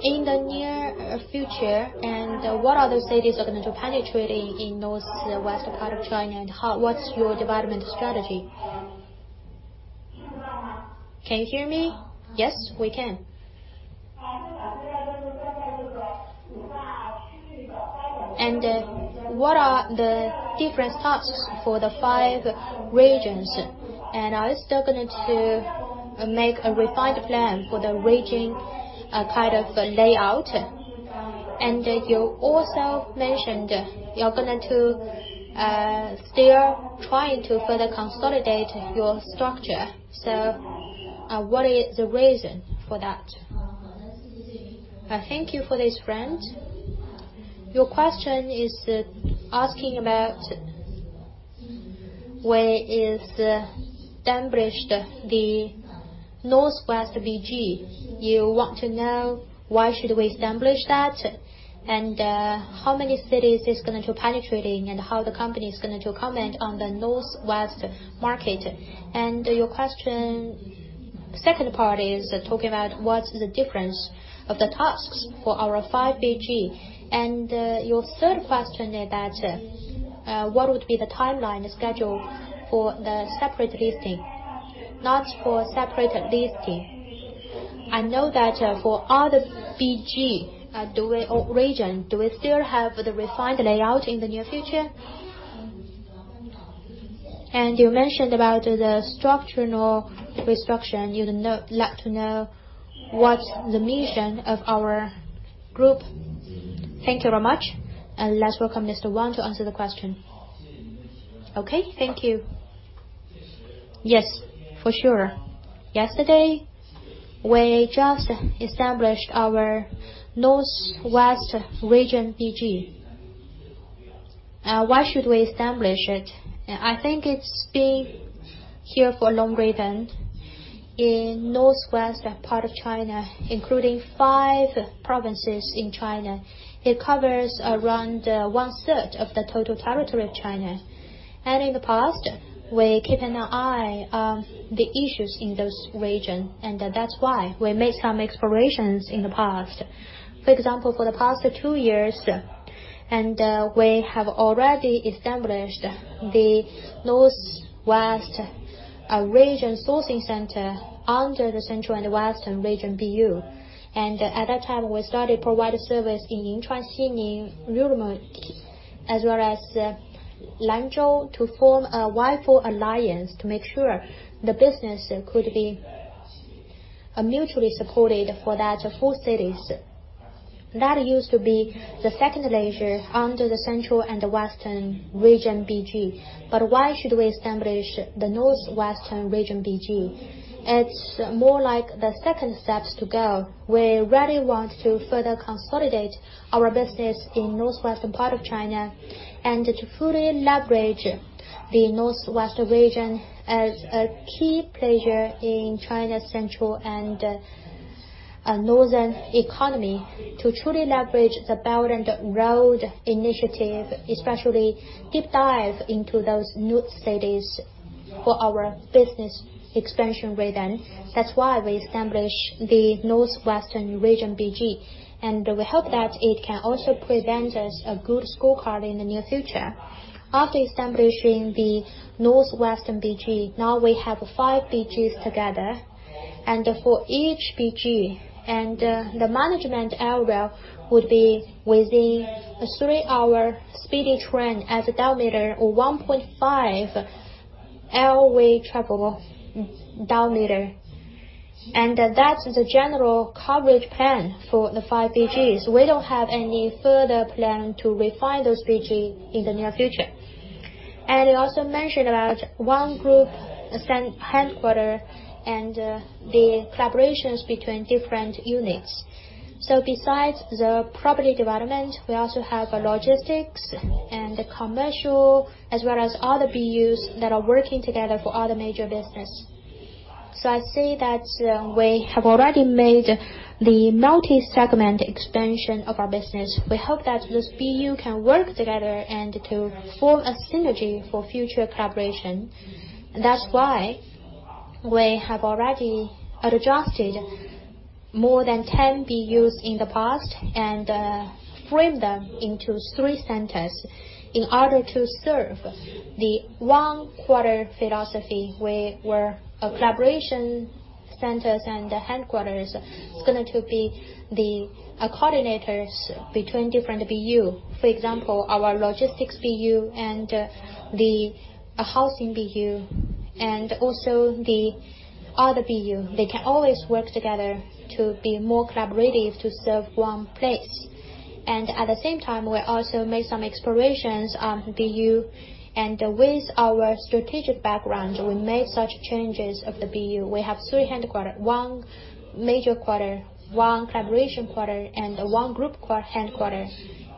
In the near future, and what other cities are going to penetrate in Northwest part of China, and what's your development strategy? Can you hear me? Yes, we can. What are the different tasks for the five regions? Are you still going to make a refined plan for the region layout? You also mentioned you're going to still try to further consolidate your structure. What is the reason for that? Thank you for this, friend. Your question is asking about why is established the Northwest BG. You want to know why should we establish that, and how many cities it's going to penetrating, and how the company is going to comment on the Northwest market. Your question, second part is talking about what's the difference of the tasks for our five BG. Your third question is that, what would be the timeline schedule for the separate listing? Not for separate listing. I know that for other BG region, do we still have the refined layout in the near future? You mentioned about the structural restructure, you'd like to know what the mission of our group. Thank you very much. Let's welcome Mr. Wang to answer the question. Okay. Thank you. Yes, for sure. Yesterday, we just established our Northwest region BG. Why should we establish it? I think it's been here for a long period. In Northwest part of China, including five provinces in China, it covers around one-third of the total territory of China. In the past, we keep an eye on the issues in those region, that's why we made some explorations in the past. For example, for the past two years, we have already established the Northwest Region Sourcing Center under the Central and Western Region BU. At that time, we started provide a service in Yinchuan, Xining, Ürümqi, as well as Lanzhou to form a willful alliance to make sure the business could be mutually supported for that four cities. That used to be the second tier under the Central and Western region BG. Why should we establish the Northwestern region BG? It's more like the second step to go. We really want to further consolidate our business in Northwestern part of China and to fully leverage the Northwest region as a key player in China's central and northern economy to truly leverage the Belt and Road Initiative, especially deep dive into those new cities. For our business expansion rhythm, that's why we established the Northwestern region BG, and we hope that it can also present us a good scorecard in the near future. After establishing the Northwestern BG, now we have five BGs together. For each BG, the management area would be within a 3-hour speedy train as a diameter or 1.5-hour away travel diameter. That is the general coverage plan for the five BGs. We don't have any further plan to refine those BGs in the near future. You also mentioned about one group headquarter and the collaborations between different units. Besides the property development, we also have logistics and commercial, as well as other BUs that are working together for other major business. I say that we have already made the multi-segment expansion of our business. We hope that this BU can work together and to form a synergy for future collaboration. That's why we have already adjusted more than 10 BUs in the past and framed them into three centers in order to serve the one quarter philosophy, where collaboration centers and the headquarters is going to be the coordinators between different BU. For example, our logistics BU and the housing BU, also the other BU. They can always work together to be more collaborative to serve one place. At the same time, we also made some explorations on BU and with our strategic background, we made such changes of the BU. We have three headquarters, one major quarter, one collaboration quarter, and one group headquarters.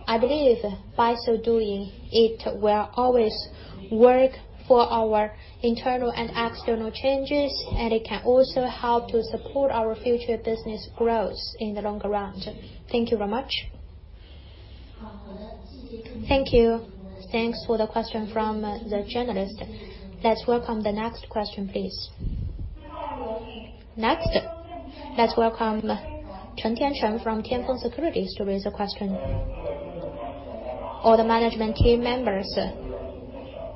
I believe by so doing, it will always work for our internal and external changes. It can also help to support our future business growth in the long run. Thank you very much. Thank you. Thanks for the question from the journalist. Let's welcome the next question, please. Next, let's welcome Chen Tiancheng from Tianfeng Securities to raise a question. All the management team members.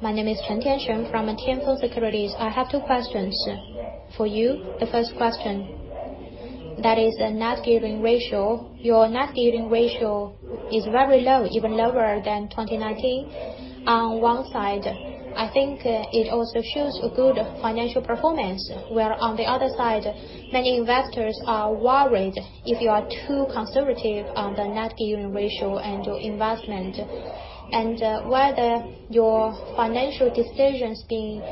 My name is Chen Tiancheng from Tianfeng Securities. I have two questions for you. The first question, that is net gearing ratio. Your net gearing ratio is very low, even lower than 2019. On one side, I think it also shows a good financial performance, where on the other side, many investors are worried if you are too conservative on the net gearing ratio and your investment, and whether your financial decisions being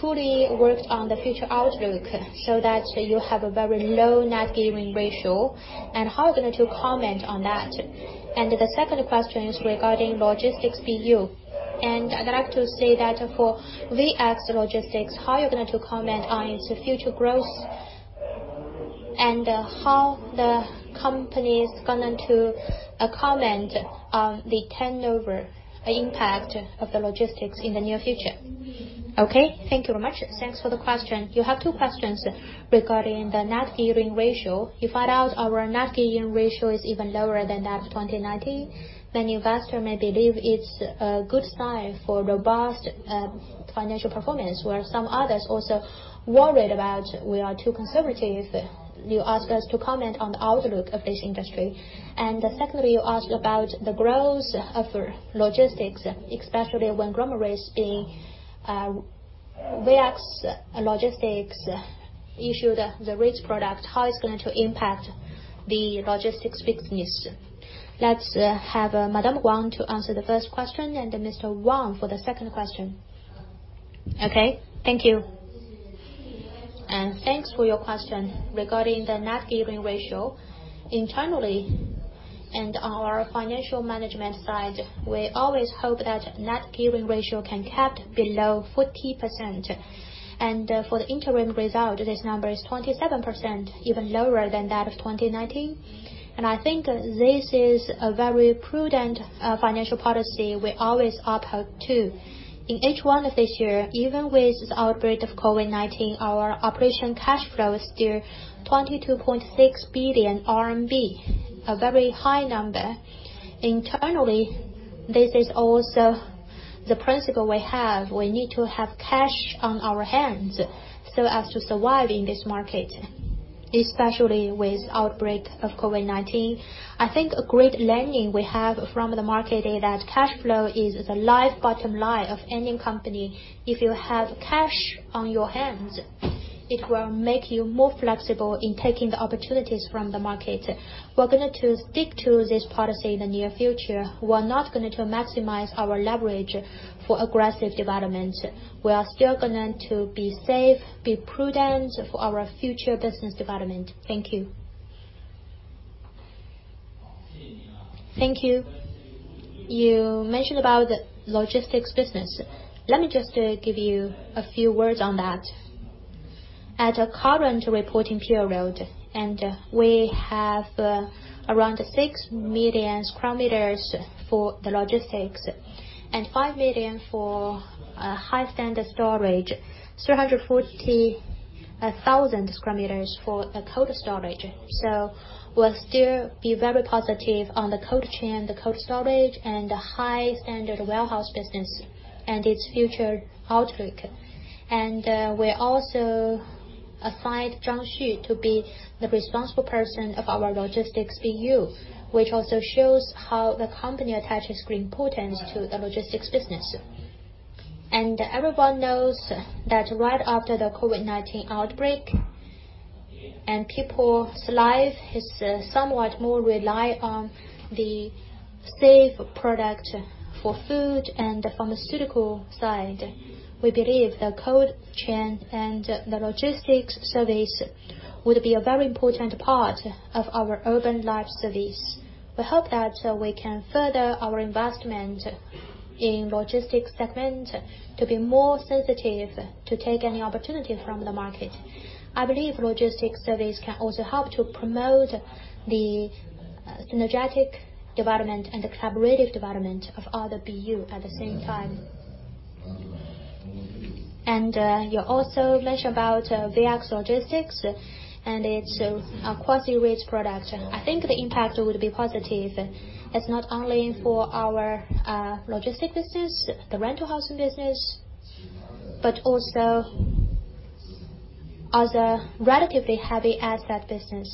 truly worked on the future outlook, so that you have a very low net gearing ratio. How are you going to comment on that? The second question is regarding logistics BU. I'd like to say that for VX Logistics, how are you going to comment on its future growth? How the company is going to comment on the turnover impact of the logistics in the near future? Okay. Thank you very much. Thanks for the question. You have two questions regarding the net gearing ratio. You find out our net gearing ratio is even lower than that of 2019. The investor may believe it's a good sign for robust financial performance, where some others also worried about we are too conservative. You asked us to comment on the outlook of this industry. Secondly, you asked about the growth of logistics, especially when Grammarly is being VX Logistics issued the REITs product, how it's going to impact the logistics business. Let's have Madame Wang to answer the first question and Mr. Wang for the second question. Okay. Thank you. Thanks for your question. Regarding the net gearing ratio, internally in our financial management side, we always hope that net gearing ratio can be kept below 40%. For the interim result, this number is 27%, even lower than that of 2019. I think this is a very prudent financial policy we always uphold to. In H1 of this year, even with the outbreak of COVID-19, our operation cash flow is still 22.6 billion RMB, a very high number. Internally, this is also the principle we have. We need to have cash on our hands so as to survive in this market, especially with outbreak of COVID-19. I think a great learning we have from the market is that cash flow is the life bottom line of any company. If you have cash on your hands, it will make you more flexible in taking the opportunities from the market. We're going to stick to this policy in the near future. We're not going to maximize our leverage for aggressive development. We are still going to be safe, be prudent for our future business development. Thank you. Thank you. You mentioned about the logistics business. Let me just give you a few words on that. At the current reporting period, we have around 6 million sq m for the logistics and 5 million for high-standard storage, 340,000 sq m for cold storage. We're still very positive on the cold chain, the cold storage, and the high-standard warehouse business and its future outlook. We also assigned Zhang Xu to be the responsible person of our logistics BU, which also shows how the company attaches great importance to the logistics business. Everyone knows that right after the COVID-19 outbreak, people's life is somewhat more reliant on the safe product for food and the pharmaceutical side. We believe the cold chain and the logistics service would be a very important part of our urban life service. We hope that we can further our investment in logistics segment to be more sensitive, to take any opportunity from the market. I believe logistics service can also help to promote the synergetic development and the collaborative development of other BU at the same time. You also mentioned about VX Logistics and its quasi-REITs product. I think the impact would be positive. It's not only for our logistics business, the rental housing business, but also other relatively heavy asset business.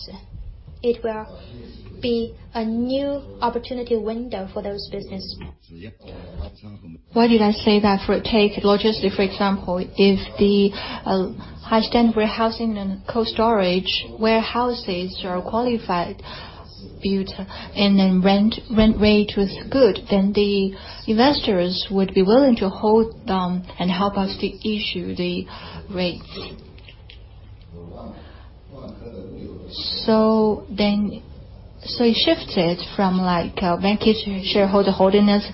It will be a new opportunity window for those businesses. Why did I say that? Take logistics, for example. If the high-standard warehousing and cold storage warehouses are quality built and then rent rate was good, then the investors would be willing to hold them and help us to issue the REITs. It shifted from Vanke shareholder holding it,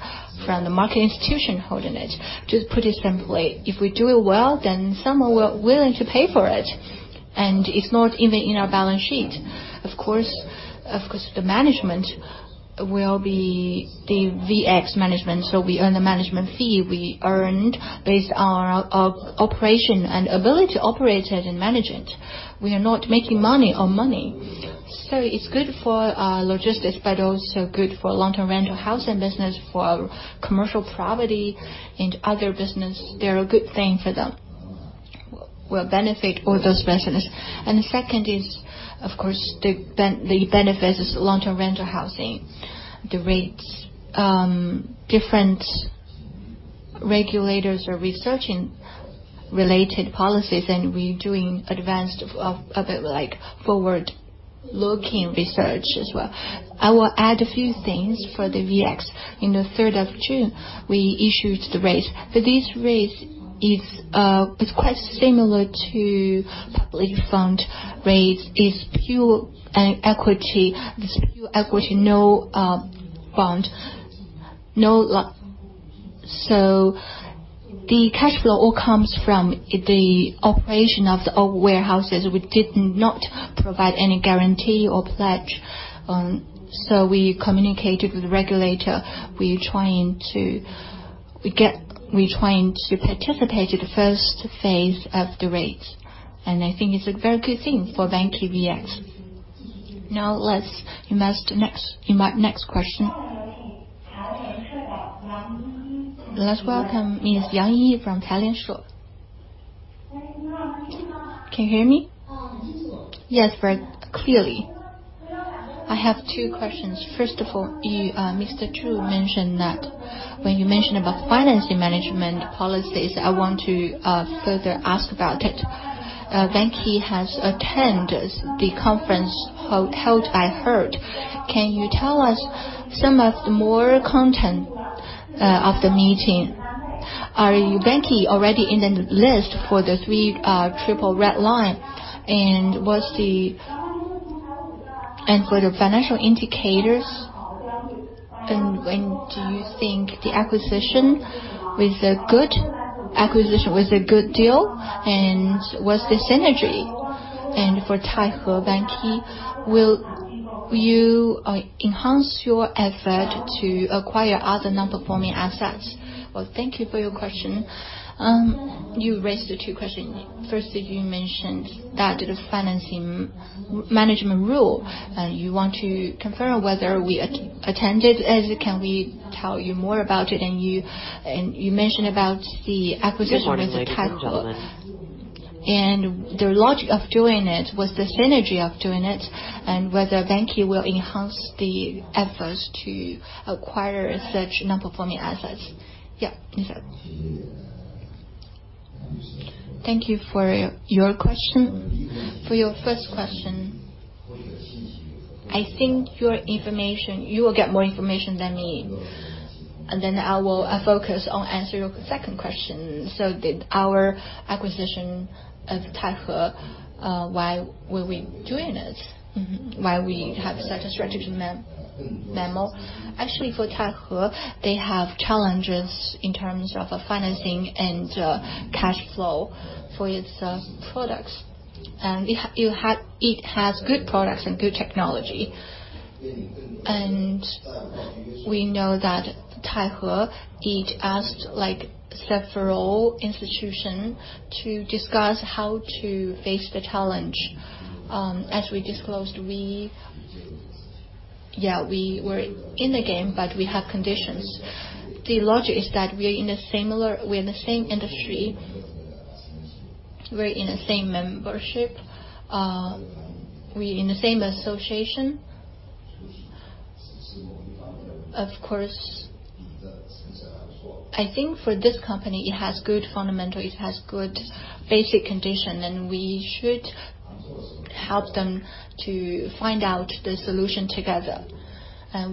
from the market institution holding it. To put it simply, if we do it well, then someone will be willing to pay for it. It's not even in our balance sheet. Of course, the management will be the VX management. We earn the management fee. We earned based on our operation and ability to operate it and manage it. We are not making money on money. It's good for our logistics, but also good for long-term rental housing business, for commercial property and other business. They're a good thing for them, will benefit all those businesses. The second is, of course, the benefit is long-term rental housing, the REITs. Different regulators are researching related policies, and we are doing advanced, forward-looking research as well. I will add a few things for the VX. On the 3rd of June, we issued the REITs. This REITs is quite similar to publicly fund REITs, is pure equity, no fund. The cash flow all comes from the operation of the old warehouses. We did not provide any guarantee or pledge. We communicated with the regulator. We're trying to participate in the first phase of the REITs, and I think it's a very good thing for Vanke VX. Now let's invite next question. Let's welcome Ms. Yang Yi from Caijing. Can you hear me? Yes, very clearly. I have two questions. First of all, Mr. Zhu mentioned that when you mention about financing management policies, I want to further ask about it. Vanke has attended the conference held, I heard. Can you tell us some of the more content of the meeting? Are Vanke already in the list for the three triple red line? For the financial indicators, do you think the acquisition was a good deal? What's the synergy? For Tahoe Group, Vanke, will you enhance your effort to acquire other non-performing assets? Well, thank you for your question. You raised two questions. First, you mentioned that the financing management rule, you want to confirm whether we attended it. Can we tell you more about it? You mentioned about the acquisition with Tahoe. The logic of doing it, what's the synergy of doing it, and whether Vanke will enhance the efforts to acquire such non-performing assets. Thank you for your question. For your first question, I think you will get more information than me. I will focus on answering your second question. Did our acquisition of Tahoe Why were we doing this? Why we have such a strategic memo? Actually, for Tahoe, they have challenges in terms of financing and cash flow for its products. It has good products and good technology, we know that Tahoe, it asked several institutions to discuss how to face the challenge. As we disclosed, we were in the game, we have conditions. The logic is that we are in the same industry, we are in the same membership, we are in the same association. Of course, I think for this company, it has good fundamentals, it has good basic condition, we should help them to find out the solution together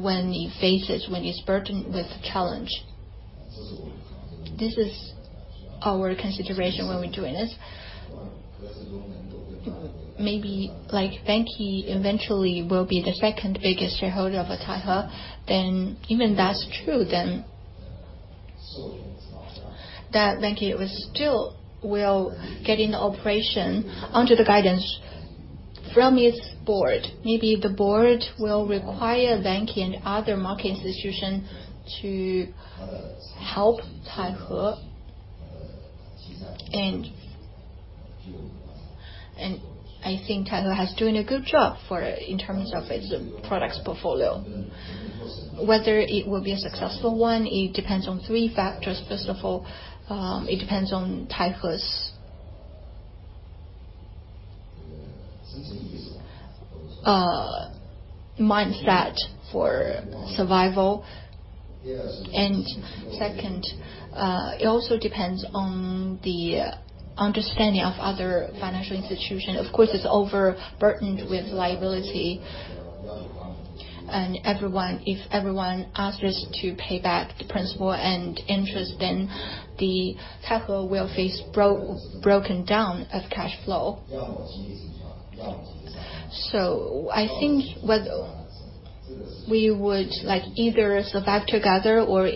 when it's burdened with challenge. This is our consideration when we're doing this. Maybe Vanke eventually will be the second biggest shareholder of Tahoe, then even that's true, then Vanke still will get in the operation under the guidance from its board. Maybe the board will require Vanke and other market institutions to help Tahoe. I think Tahoe has doing a good job in terms of its products portfolio. Whether it will be a successful one, it depends on three factors. First of all, it depends on Tahoe's mindset for survival. Second, it also depends on the understanding of other financial institutions. Of course, it's overburdened with liability, and if everyone asks us to pay back the principal and interest, then Tahoe will face breakdown of cash flow. I think we would either survive together or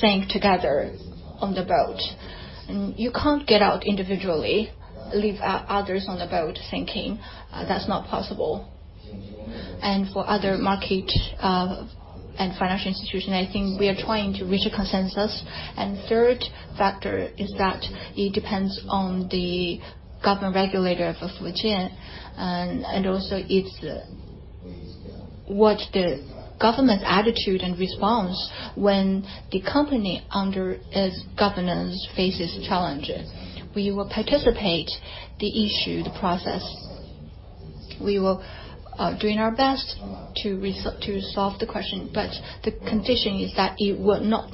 sink together on the boat. You can't get out individually, leave others on the boat sinking. That's not possible. For other market and financial institution, I think we are trying to reach a consensus. Third factor is that it depends on the government regulator of Fujian, and also what the government attitude and response when the company under its governance faces challenges. We will participate the issued process. We will doing our best to solve the question, but the condition is that it will not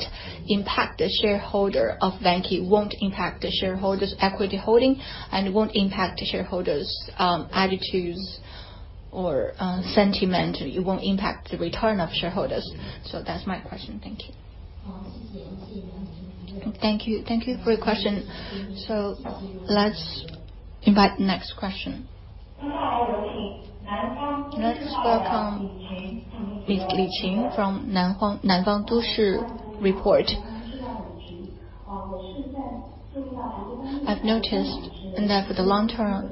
impact the shareholder of Vanke, it won't impact the shareholders' equity holding, and it won't impact the shareholders' attitudes or sentiment. It won't impact the return of shareholders. That's my question. Thank you. Thank you. Thank you for your question. Let's invite next question. Let's welcome Li Qing from Nanfang Dushi Bao. I've noticed that for the long-term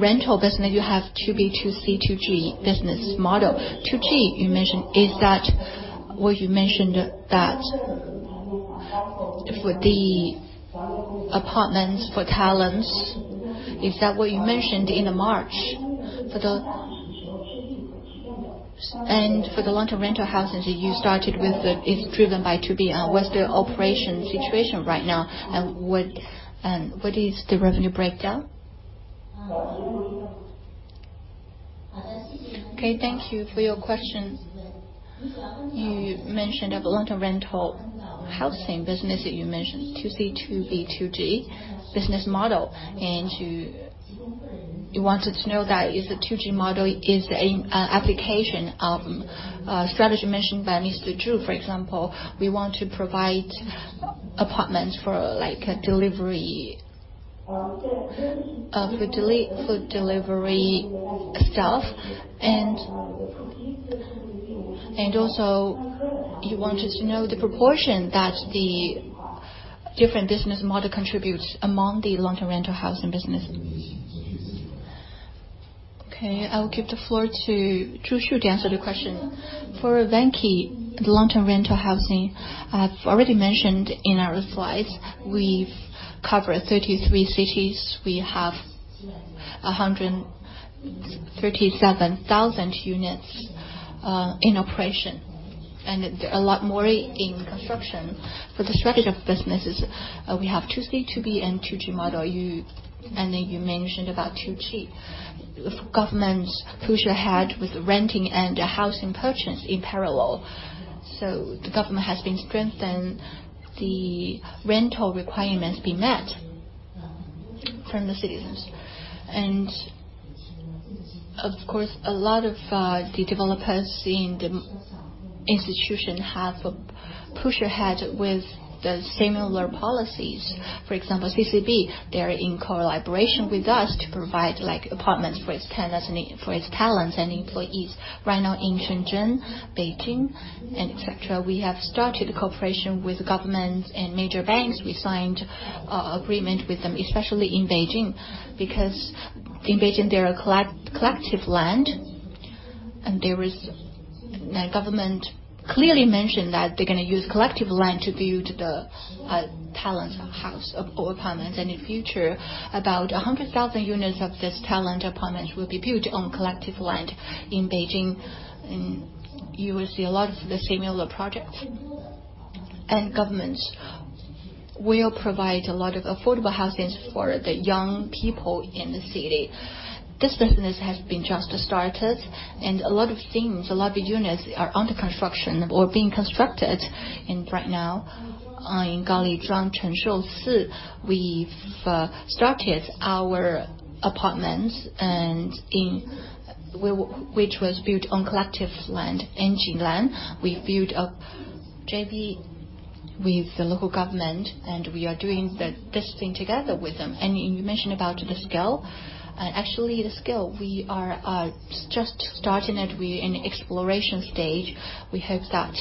rental business, you have 2B, 2C, 2G business model. 2G, you mentioned, is that what you mentioned that for the apartments for talents? Is that what you mentioned in March? For the long-term rental housing that you started with, it's driven by 2B. What's the operation situation right now, and what is the revenue breakdown? Okay, thank you for your question. You mentioned about long-term rental housing business, you mentioned 2C, 2B, 2G business model, you wanted to know that if the 2G model is an application of strategy mentioned by Mr. Zhu. For example, we want to provide apartments for food delivery staff. Also, you wanted to know the proportion that the different business model contributes among the long-term rental housing business. Okay, I will give the floor to Zhu Xu to answer the question. For Vanke, the long-term rental housing, I've already mentioned in our slides, we've covered 33 cities. We have 137,000 units in operation, and a lot more in construction. For the strategy of businesses, we have 2C, 2B, and 2G model. You mentioned about 2G. Government push ahead with renting and housing purchase in parallel. The government has been strengthening the rental requirements be met from the citizens. Of course, a lot of the developers in the institution have pushed ahead with the similar policies. For example, CCB, they're in collaboration with us to provide apartments for its talents and employees right now in Shenzhen, Beijing, and et cetera. We have started cooperation with governments and major banks. We signed an agreement with them, especially in Beijing, because in Beijing, there are collective land, and the government clearly mentioned that they're going to use collective land to build the talents house or apartments. In future, about 100,000 units of this talent apartments will be built on collective land in Beijing, and you will see a lot of the similar projects. Governments will provide a lot of affordable housing for the young people in the city. This business has been just started, and a lot of things, a lot of units, are under construction or being constructed right now. In, we've started our apartments, which was built on collective land. In Jinlan, we built a JV with the local government, and we are doing this thing together with them. You mentioned about the scale. Actually, the scale, we are just starting it. We are in exploration stage. We hope that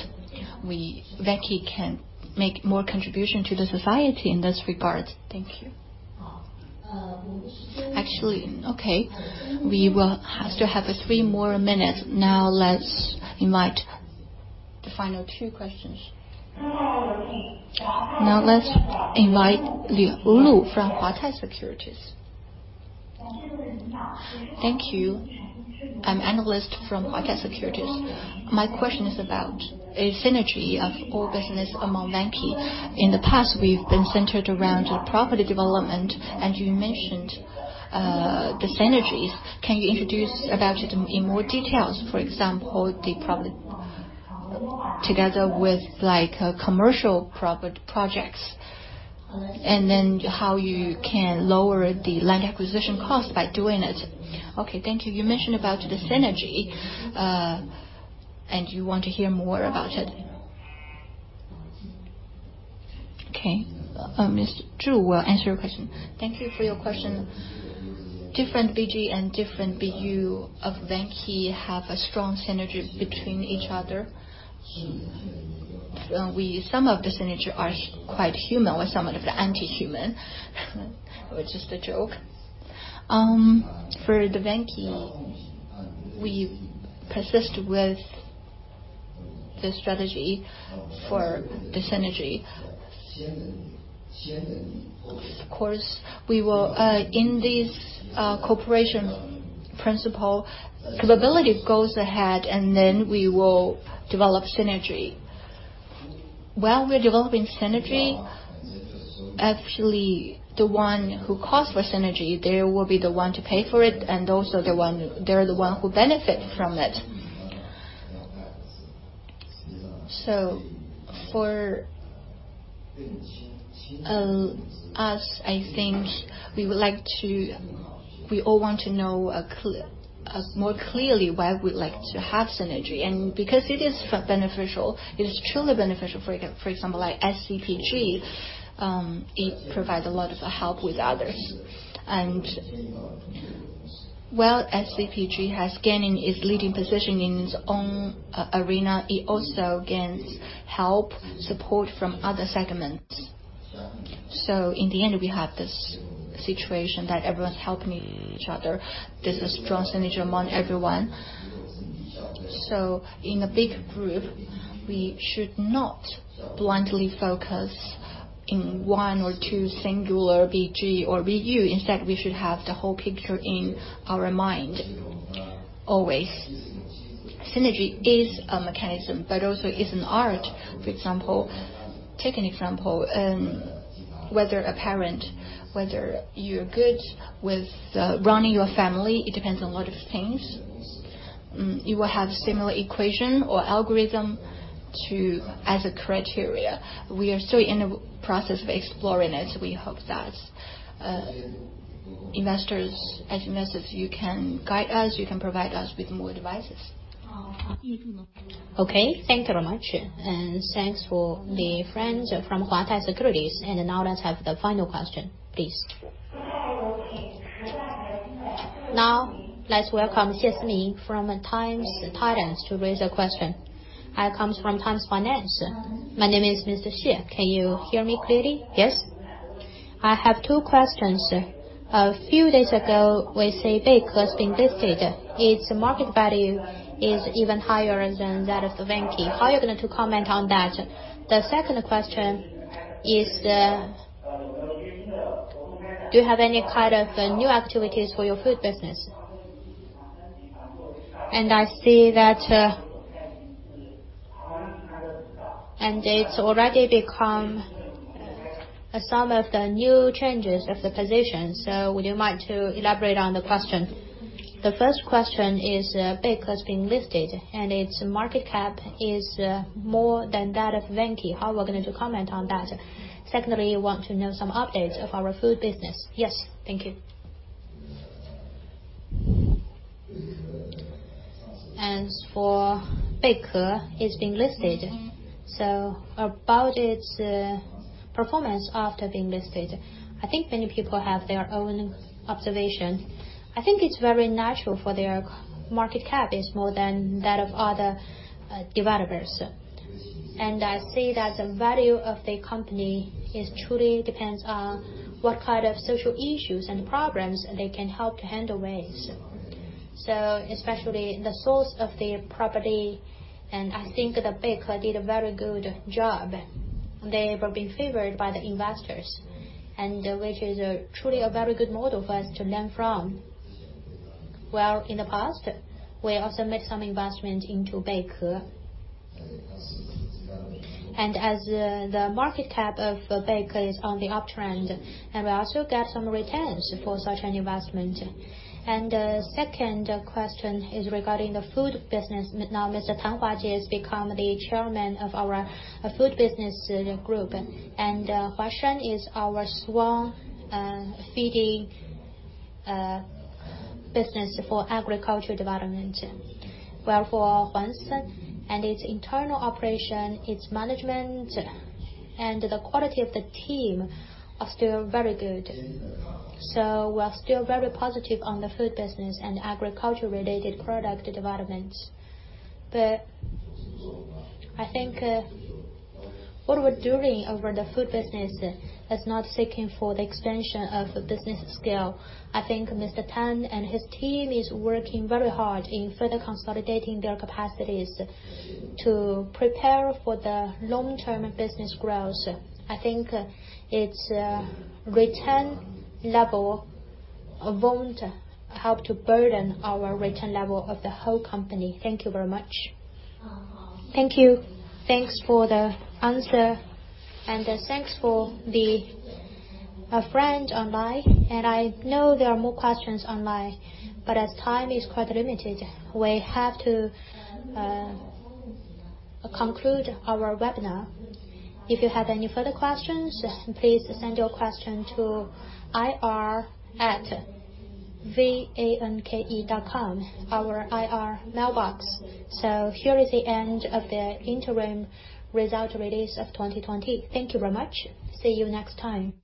Vanke can make more contribution to the society in this regard. Thank you. Actually, okay. We will still have three more minutes. Let's invite the final two questions. Let's invite Liu Lu from Huatai Securities. Thank you. I am analyst from Huatai Securities. My question is about a synergy of all business among Vanke. In the past, we have been centered around property development, and you mentioned the synergies. Can you introduce about it in more details? For example, together with commercial projects, and then how you can lower the land acquisition cost by doing it? Okay, thank you. You mentioned about the synergy, and you want to hear more about it. Okay. Ms. Zhu will answer your question. Thank you for your question. Different BG and different BU of Vanke have a strong synergy between each other. Some of the synergy are quite human with some of the anti-human, which is a joke. For the Vanke, we persist with the strategy for the synergy. Of course, in this cooperation principle, capability goes ahead, and then we will develop synergy. While we're developing synergy, actually, the one who calls for synergy, they will be the one to pay for it, and also they're the one who benefit from it. For us, I think we all want to know more clearly why we like to have synergy. Because it is beneficial, it is truly beneficial, for example, SCPG, it provides a lot of help with others. While SCPG has gained its leading position in its own arena, it also gains help, support from other segments. In the end, we have this situation that everyone's helping each other. There's a strong synergy among everyone. In a big group, we should not blindly focus in one or two singular BG or BU. Instead, we should have the whole picture in our mind always. Synergy is a mechanism, but also is an art. Take an example, whether a parent, whether you're good with running your family, it depends on a lot of things. You will have similar equation or algorithm as a criteria. We are still in a process of exploring it. We hope that as investors, you can guide us, you can provide us with more advice. Okay. Thank you very much. Thanks for the friends from Huatai Securities. Now let's have the final question, please. Now, let's welcome Xie Ming from Times Finance to raise a question. I come from Times Finance. My name is Ms. Xie. Can you hear me clearly? Yes. I have two questions. A few days ago, we see Beike has been listed. Its market value is even higher than that of Vanke. How are you going to comment on that? The second question is, do you have any kind of new activities for your food business? I see that it's already become some of the new changes of the position. Would you mind to elaborate on the question? The first question is Beike has been listed, its market cap is more than that of Vanke. How are we going to comment on that? Secondly, we want to know some updates of our food business. Yes. Thank you for Beike is being listed. About its performance after being listed, I think many people have their own observation. I think it's very natural for their market cap is more than that of other developers. I see that the value of the company is truly depends on what kind of social issues and problems they can help to handle with. Especially the source of their property, and I think that Beike did a very good job. They were being favored by the investors, and which is truly a very good model for us to learn from. In the past, we also made some investment into Beike. As the market cap of Beike is on the uptrend, and we also got some returns for such an investment. Second question is regarding the food business. Now, Mr. Tan Huajie has become the chairman of our food business group. Huashen is our strong feeding business for agriculture development. Well, for Huashen and its internal operation, its management, and the quality of the team are still very good. We are still very positive on the food business and agriculture related product development. I think what we're doing over the food business is not seeking for the expansion of business scale. I think Mr. Tan and his team is working very hard in further consolidating their capacities to prepare for the long-term business growth. I think its return level won't help to burden our return level of the whole company. Thank you very much. Thank you. Thanks for the answer and thanks for the friend online. I know there are more questions online, but as time is quite limited, we have to conclude our webinar. If you have any further questions, please send your question to ir@vanke.com, our IR mailbox. Here is the end of the interim result release of 2020. Thank you very much. See you next time.